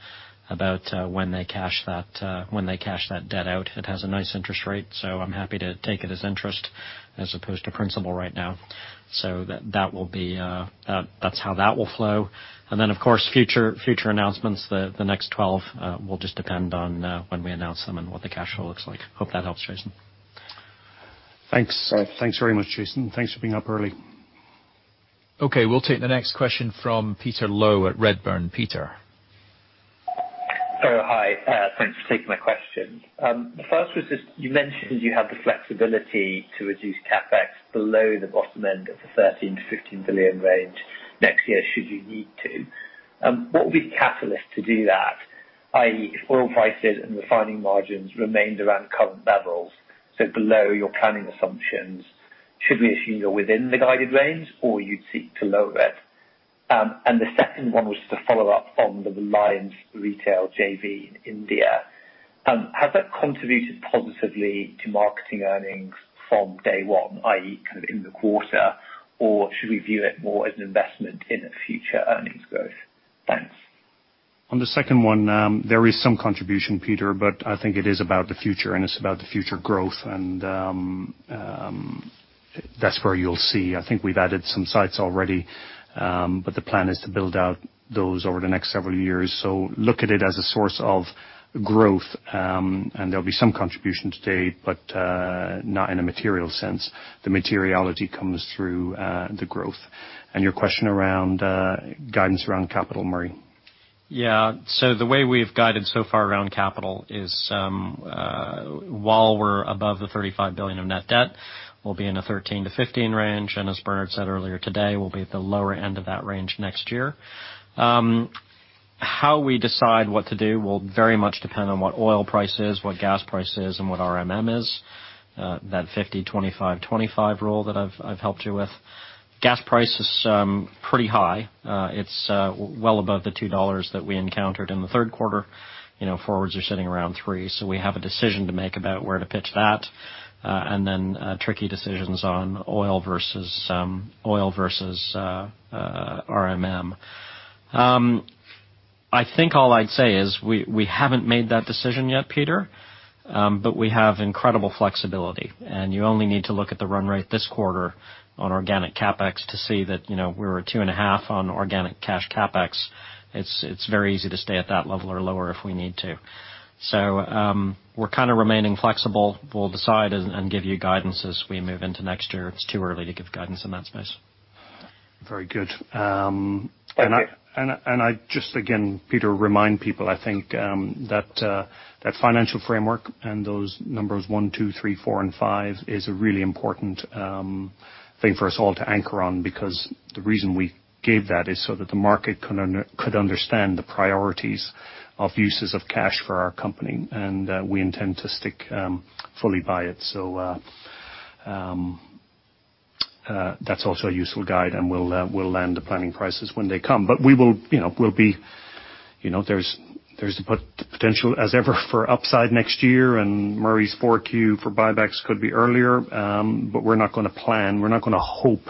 about when they cash that debt out. It has a nice interest rate, so I'm happy to take it as interest as opposed to principal right now. That's how that will flow. Of course, future announcements, the next 12, will just depend on when we announce them and what the cash flow looks like. Hope that helps, Jason.
Thanks very much, Jason. Thanks for being up early.
Okay, we'll take the next question from Peter Low at Redburn. Peter.
Hi. Thanks for taking my question. The first was just you mentioned you have the flexibility to reduce CapEx below the bottom end of the $13 billion-$15 billion range next year, should you need to. What would be the catalyst to do that, i.e., if oil prices and refining margins remained around current levels, so below your planning assumptions? Should we assume you're within the guided range, or you'd seek to lower it? The second one was just a follow-up on the Reliance Industries JV in India. Has that contributed positively to marketing earnings from day one, i.e., kind of in the quarter, or should we view it more as an investment in future earnings growth? Thanks.
On the second one, there is some contribution, Peter, but I think it is about the future and it's about the future growth. That's where you'll see. I think we've added some sites already, but the plan is to build out those over the next several years. Look at it as a source of growth, and there'll be some contribution to date, but not in a material sense. The materiality comes through the growth. Your question around guidance around capital, Murray.
Yeah. The way we've guided so far around capital is while we're above the $35 billion of net debt, we'll be in a $13 billion-$15 billion range, and as Bernard said earlier today, we'll be at the lower end of that range next year. How we decide what to do will very much depend on what oil price is, what gas price is, and what RMM is. That 50/25/25 rule that I've helped you with. Gas price is pretty high. It's well above the $2 that we encountered in the third quarter. Forwards are sitting around $3, so we have a decision to make about where to pitch that. Tricky decisions on oil versus RMM. I think all I'd say is we haven't made that decision yet, Peter. We have incredible flexibility. You only need to look at the run rate this quarter on organic CapEx to see that we're at $2.5 on organic cash CapEx. It's very easy to stay at that level or lower if we need to. We're kind of remaining flexible. We'll decide and give you guidance as we move into next year. It's too early to give guidance in that space.
Very good.
I just, again, Peter, remind people, I think that financial framework and those numbers one, two, three, four and five is a really important thing for us all to anchor on because the reason we gave that is so that the market could understand the priorities of uses of cash for our company, and we intend to stick fully by it. That's also a useful guide and we'll land the planning prices when they come. There's the potential as ever for upside next year and Murray's 4Q for buybacks could be earlier. We're not gonna plan, we're not gonna hope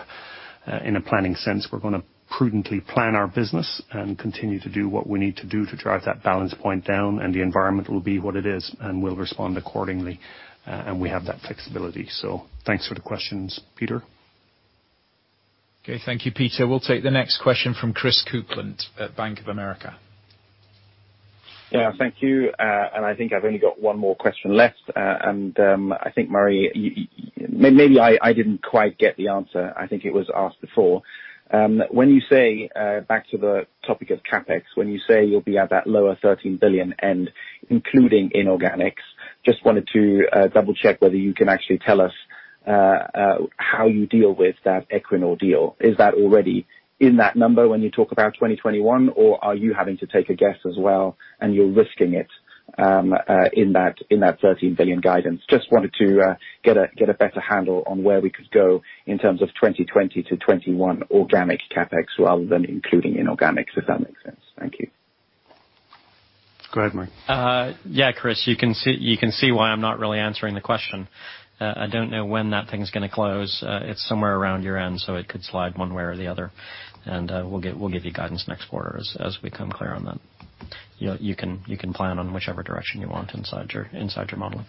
in a planning sense. We're gonna prudently plan our business and continue to do what we need to do to drive that balance point down, and the environment will be what it is, and we'll respond accordingly. We have that flexibility. Thanks for the questions, Peter.
Okay. Thank you, Peter. We'll take the next question from Chris Kuplent at Bank of America.
Yeah, thank you. I think I've only got one more question left. I think Murray, maybe I didn't quite get the answer, I think it was asked before. Back to the topic of CapEx, when you say you'll be at that lower $13 billion and including inorganics, just wanted to double-check whether you can actually tell us how you deal with that Equinor deal. Is that already in that number when you talk about 2021? Are you having to take a guess as well and you're risking it in that $13 billion guidance? Just wanted to get a better handle on where we could go in terms of 2020 to 2021 organic CapEx rather than including inorganics, if that makes sense. Thank you.
Go ahead, Murray.
Yeah, Chris, you can see why I'm not really answering the question. I don't know when that thing's going to close. It's somewhere around year-end. It could slide one way or the other. We'll give you guidance next quarter as we become clear on that. You can plan on whichever direction you want inside your modeling.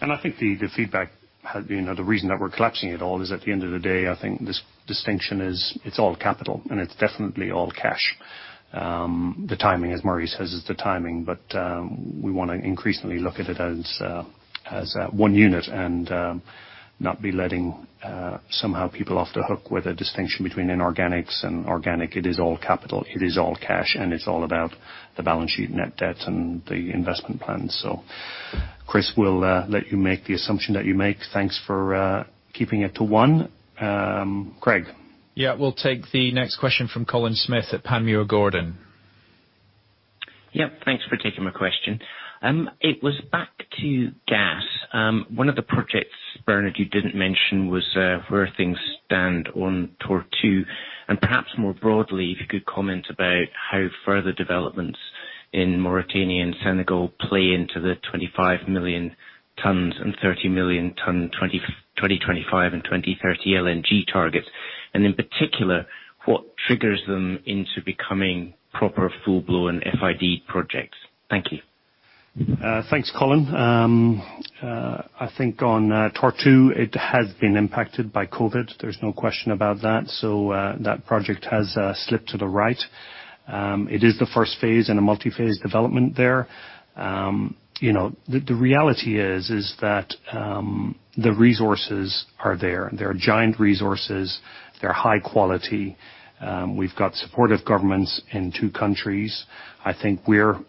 I think the feedback, the reason that we're collapsing it all, is at the end of the day, I think this distinction is it's all capital and it's definitely all cash. The timing, as Murray says, is the timing, but we want to increasingly look at it as one unit and not be letting somehow people off the hook with a distinction between inorganics and organic. It is all capital, it is all cash, and it's all about the balance sheet net debt and the investment plan. Chris, we'll let you make the assumption that you make. Thanks for keeping it to one. Craig?
Yeah. We'll take the next question from Colin Smith at Panmure Gordon.
Yep. Thanks for taking my question. It was back to gas. One of the projects, Bernard, you didn't mention was where things stand on Tortue. Perhaps more broadly, if you could comment about how further developments in Mauritania and Senegal play into the 25 million tons and 30 million ton 2025 and 2030 LNG targets. In particular, what triggers them into becoming proper full-blown FID projects. Thank you.
Thanks, Colin. I think on Tortue, it has been impacted by COVID. There's no question about that. That project has slipped to the right. It is the first phase in a multi-phase development there. The reality is that the resources are there. They are giant resources. They're high quality. We've got supportive governments in two countries. I think we're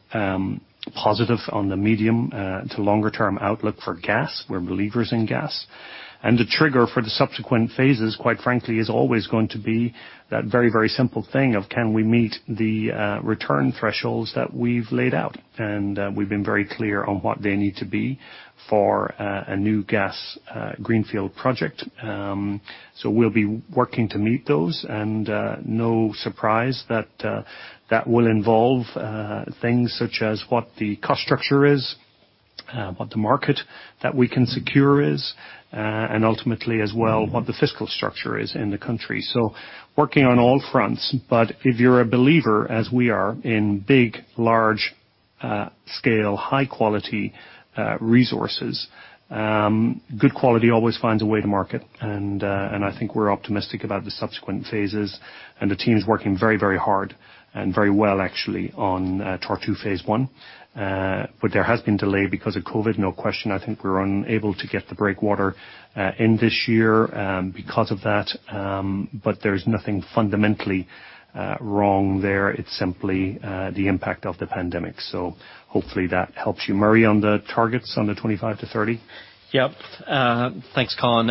positive on the medium to longer term outlook for gas. We're believers in gas. The trigger for the subsequent phases, quite frankly, is always going to be that very simple thing of can we meet the return thresholds that we've laid out? We've been very clear on what they need to be for a new gas greenfield project. We'll be working to meet those and no surprise that that will involve things such as what the cost structure is, what the market that we can secure is, and ultimately as well, what the fiscal structure is in the country. Working on all fronts, but if you're a believer as we are in big, large-scale, high quality resources, good quality always finds a way to market. I think we're optimistic about the subsequent phases and the team's working very hard and very well actually on Tortue Phase 1. There has been delay because of COVID, no question. I think we're unable to get the breakwater in this year because of that. There's nothing fundamentally wrong there. It's simply the impact of the pandemic. Hopefully that helps you, Murray, on the targets on the 2025 to 2030.
Yep. Thanks, Colin.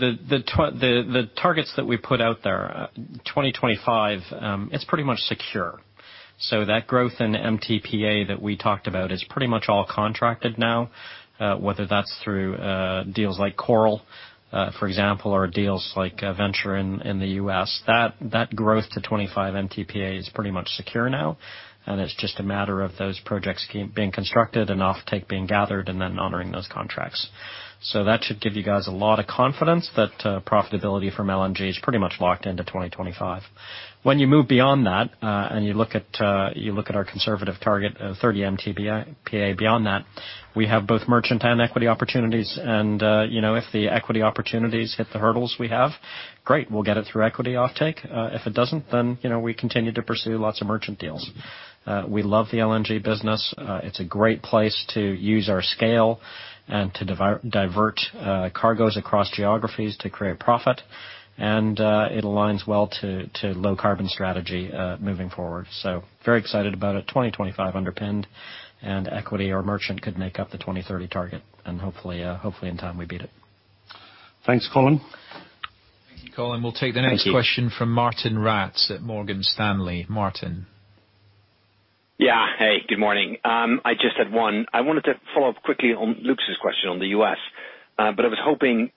The targets that we put out there, 2025, it's pretty much secure. That growth in MTPA that we talked about is pretty much all contracted now. Whether that's through deals like Coral, for example, or deals like Venture in the U.S. That growth to 25 MTPA is pretty much secure now, and it's just a matter of those projects being constructed and offtake being gathered and then honoring those contracts. That should give you guys a lot of confidence that profitability from LNG is pretty much locked into 2025. When you move beyond that, and you look at our conservative target of 30 MTPA beyond that, we have both merchant and equity opportunities and if the equity opportunities hit the hurdles we have, great. We'll get it through equity offtake. If it doesn't, we continue to pursue lots of merchant deals. We love the LNG business. It's a great place to use our scale and to divert cargoes across geographies to create profit. It aligns well to low carbon strategy moving forward. Very excited about it. 2025 underpinned and equity or merchant could make up the 2030 target and hopefully in time we beat it.
Thanks, Colin.
Colin, we'll take the next question from Martijn Rats at Morgan Stanley. Martijn.
Yeah. Hey, good morning. I just had one. I wanted to follow up quickly on Lucas' question on the U.S., I was hoping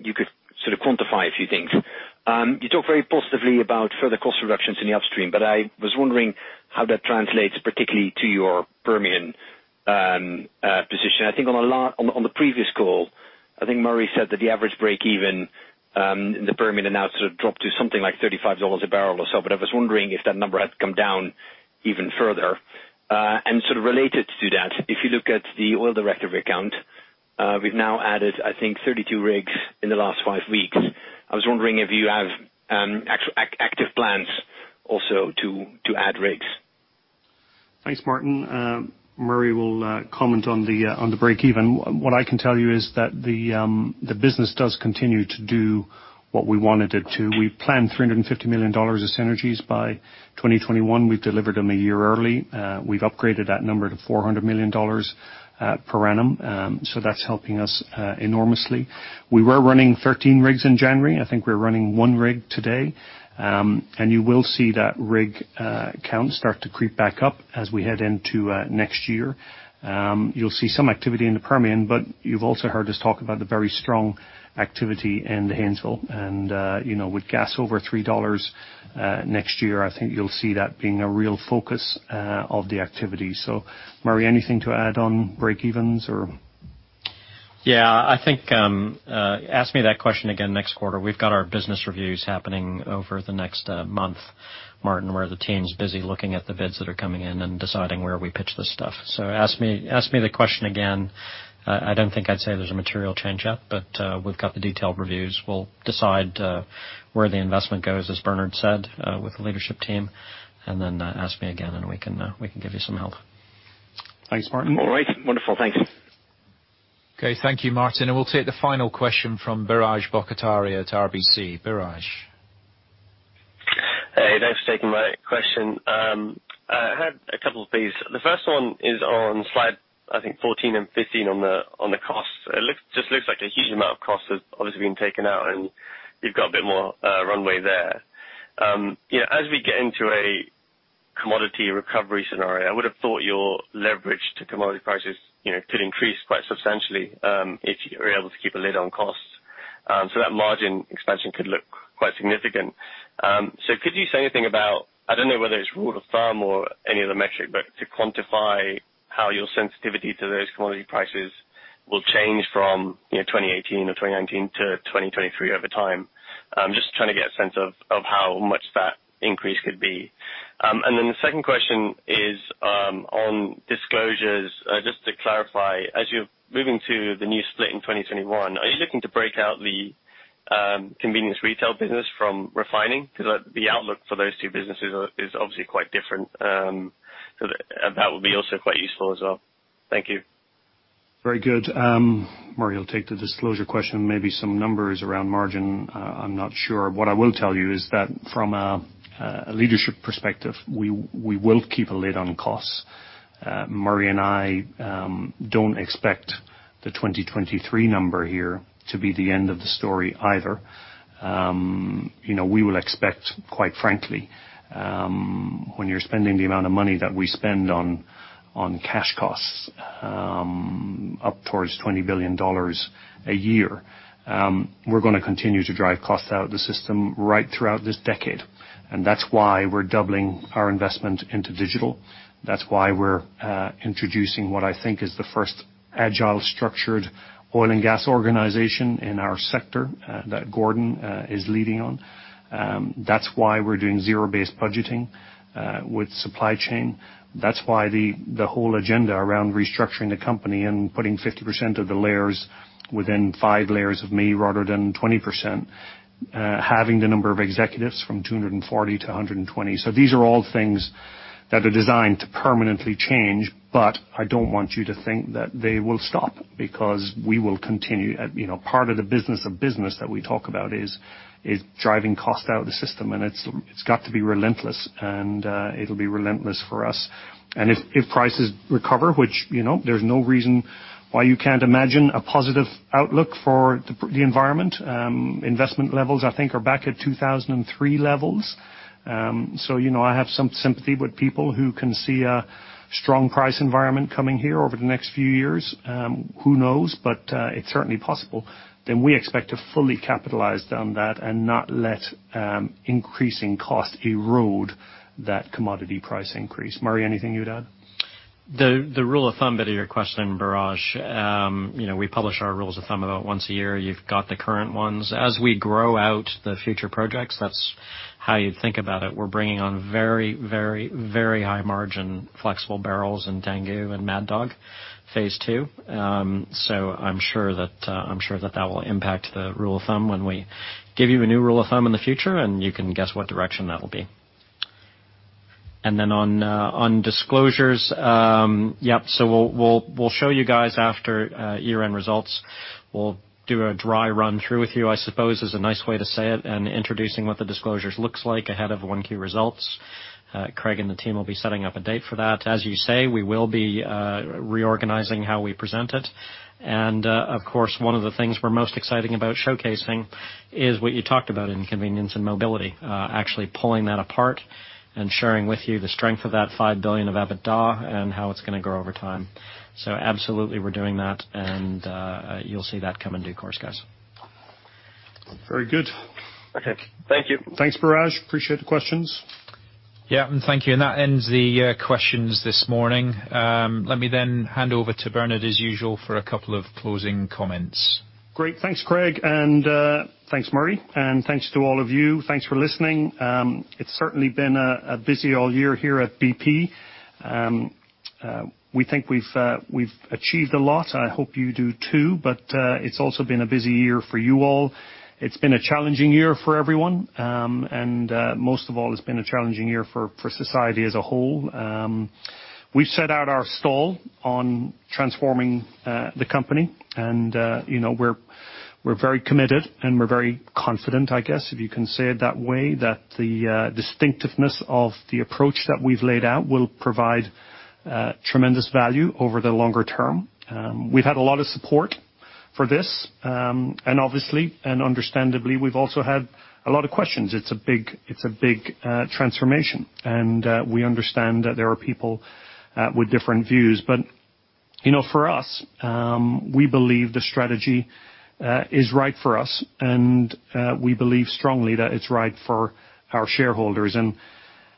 you could sort of quantify a few things. You talk very positively about further cost reductions in the upstream, I was wondering how that translates particularly to your Permian position. I think on the previous call, I think Murray said that the average break even in the Permian had now sort of dropped to something like $35 a barrel or so. I was wondering if that number had come down even further. Sort of related to that, if you look at the oil rig count, we've now added, I think, 32 rigs in the last five weeks. I was wondering if you have active plans also to add rigs.
Thanks, Martijn. Murray will comment on the break even. What I can tell you is that the business does continue to do what we wanted it to. We planned $350 million as synergies by 2021. We've delivered them a year early. We've upgraded that number to $400 million per annum. That's helping us enormously. We were running 13 rigs in January. I think we're running one rig today. You will see that rig count start to creep back up as we head into next year. You'll see some activity in the Permian, but you've also heard us talk about the very strong activity in the Haynesville. With gas over $3 next year, I think you'll see that being a real focus of the activity. Murray, anything to add on break evens or
Yeah, I think ask me that question again next quarter. We've got our business reviews happening over the next month, Martijn, where the team's busy looking at the bids that are coming in and deciding where we pitch this stuff. Ask me the question again. I don't think I'd say there's a material change yet, but we've got the detailed reviews. We'll decide where the investment goes, as Bernard said, with the leadership team, and then ask me again and we can give you some help.
Thanks, Martijn.
All right. Wonderful. Thanks.
Okay. Thank you, Martijn. We'll take the final question from Biraj Borkhataria at RBC. Biraj.
Hey, thanks for taking my question. I had a couple of things. The first one is on slide, I think 14 and 15 on the costs. It just looks like a huge amount of cost has obviously been taken out and you've got a bit more runway there. As we get into a commodity recovery scenario, I would have thought your leverage to commodity prices could increase quite substantially, if you're able to keep a lid on costs. That margin expansion could look quite significant. Could you say anything about, I don't know whether it's rule of thumb or any other metric, but to quantify how your sensitivity to those commodity prices will change from 2018 or 2019 to 2023 over time? I'm just trying to get a sense of how much that increase could be. The second question is on disclosures. Just to clarify, as you're moving to the new split in 2021, are you looking to break out the convenience retail business from refining? The outlook for those two businesses is obviously quite different. That would be also quite useful as well. Thank you.
Very good. Murray will take the disclosure question. Maybe some numbers around margin, I'm not sure. What I will tell you is that from a leadership perspective, we will keep a lid on costs. Murray and I don't expect the 2023 number here to be the end of the story either. We will expect, quite frankly, when you're spending the amount of money that we spend on cash costs, up towards $20 billion a year, we're going to continue to drive costs out of the system right throughout this decade. That's why we're doubling our investment into digital. That's why we're introducing what I think is the first agile structured oil and gas organization in our sector that Gordon is leading on. That's why we're doing zero-based budgeting with supply chain. That's why the whole agenda around restructuring the company and putting 50% of the layers within five layers of me rather than 20%, halving the number of executives from 240 to 120. These are all things that are designed to permanently change, but I don't want you to think that they will stop because we will continue. Part of the business of business that we talk about is driving cost out of the system, and it's got to be relentless, and it'll be relentless for us. If prices recover, which there's no reason why you can't imagine a positive outlook for the environment. Investment levels I think are back at 2003 levels. I have some sympathy with people who can see a strong price environment coming here over the next few years. Who knows? It's certainly possible. We expect to fully capitalize on that and not let increasing cost erode that commodity price increase. Murray, anything you'd add?
The rule of thumb bit of your question, Biraj, we publish our rules of thumb about once a year. You've got the current ones. As we grow out the future projects, that's how you'd think about it. We're bringing on very high margin flexible barrels in Tangguh and Mad Dog Phase 2. I'm sure that that will impact the rule of thumb when we give you a new rule of thumb in the future, and you can guess what direction that'll be. On disclosures. Yep. We'll show you guys after year-end results. We'll do a dry run through with you, I suppose, is a nice way to say it, and introducing what the disclosures looks like ahead of 1Q results. Craig and the team will be setting up a date for that. As you say, we will be reorganizing how we present it. Of course, one of the things we're most exciting about showcasing is what you talked about in convenience and mobility, actually pulling that apart and sharing with you the strength of that $5 billion of EBITDA and how it's going to grow over time. Absolutely we're doing that and you'll see that come in due course, guys.
Very good.
Okay. Thank you.
Thanks, Biraj. Appreciate the questions.
Yeah, thank you. That ends the questions this morning. Let me hand over to Bernard, as usual, for a couple of closing comments.
Great. Thanks, Craig, and thanks, Murray. Thanks to all of you. Thanks for listening. It's certainly been a busy old year here at BP. We think we've achieved a lot. I hope you do too. It's also been a busy year for you all. It's been a challenging year for everyone. Most of all, it's been a challenging year for society as a whole. We've set out our stall on transforming the company, and we're very committed, and we're very confident, I guess, if you can say it that way, that the distinctiveness of the approach that we've laid out will provide tremendous value over the longer term. We've had a lot of support for this. Obviously, and understandably, we've also had a lot of questions. It's a big transformation. We understand that there are people with different views. For us, we believe the strategy is right for us, and we believe strongly that it's right for our shareholders.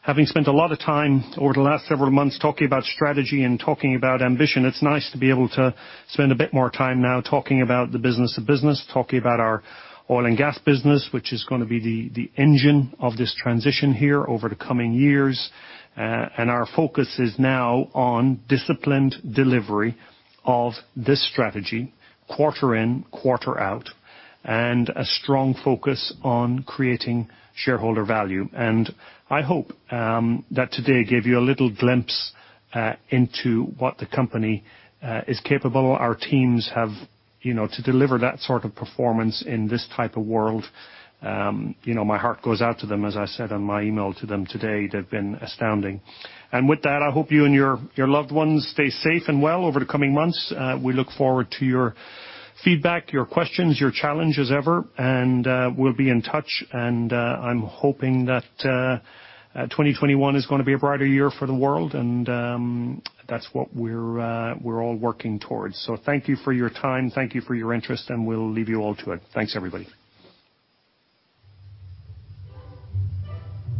Having spent a lot of time over the last several months talking about strategy and talking about ambition, it's nice to be able to spend a bit more time now talking about the business of business, talking about our oil and gas business, which is going to be the engine of this transition here over the coming years. Our focus is now on disciplined delivery of this strategy quarter in, quarter out, and a strong focus on creating shareholder value. I hope that today gave you a little glimpse into what the company is capable. Our teams have to deliver that sort of performance in this type of world. My heart goes out to them, as I said in my email to them today. They've been astounding. With that, I hope you and your loved ones stay safe and well over the coming months. We look forward to your feedback, your questions, your challenge as ever, and we'll be in touch. I'm hoping that 2021 is going to be a brighter year for the world, and that's what we're all working towards. Thank you for your time, thank you for your interest, and we'll leave you all to it. Thanks, everybody.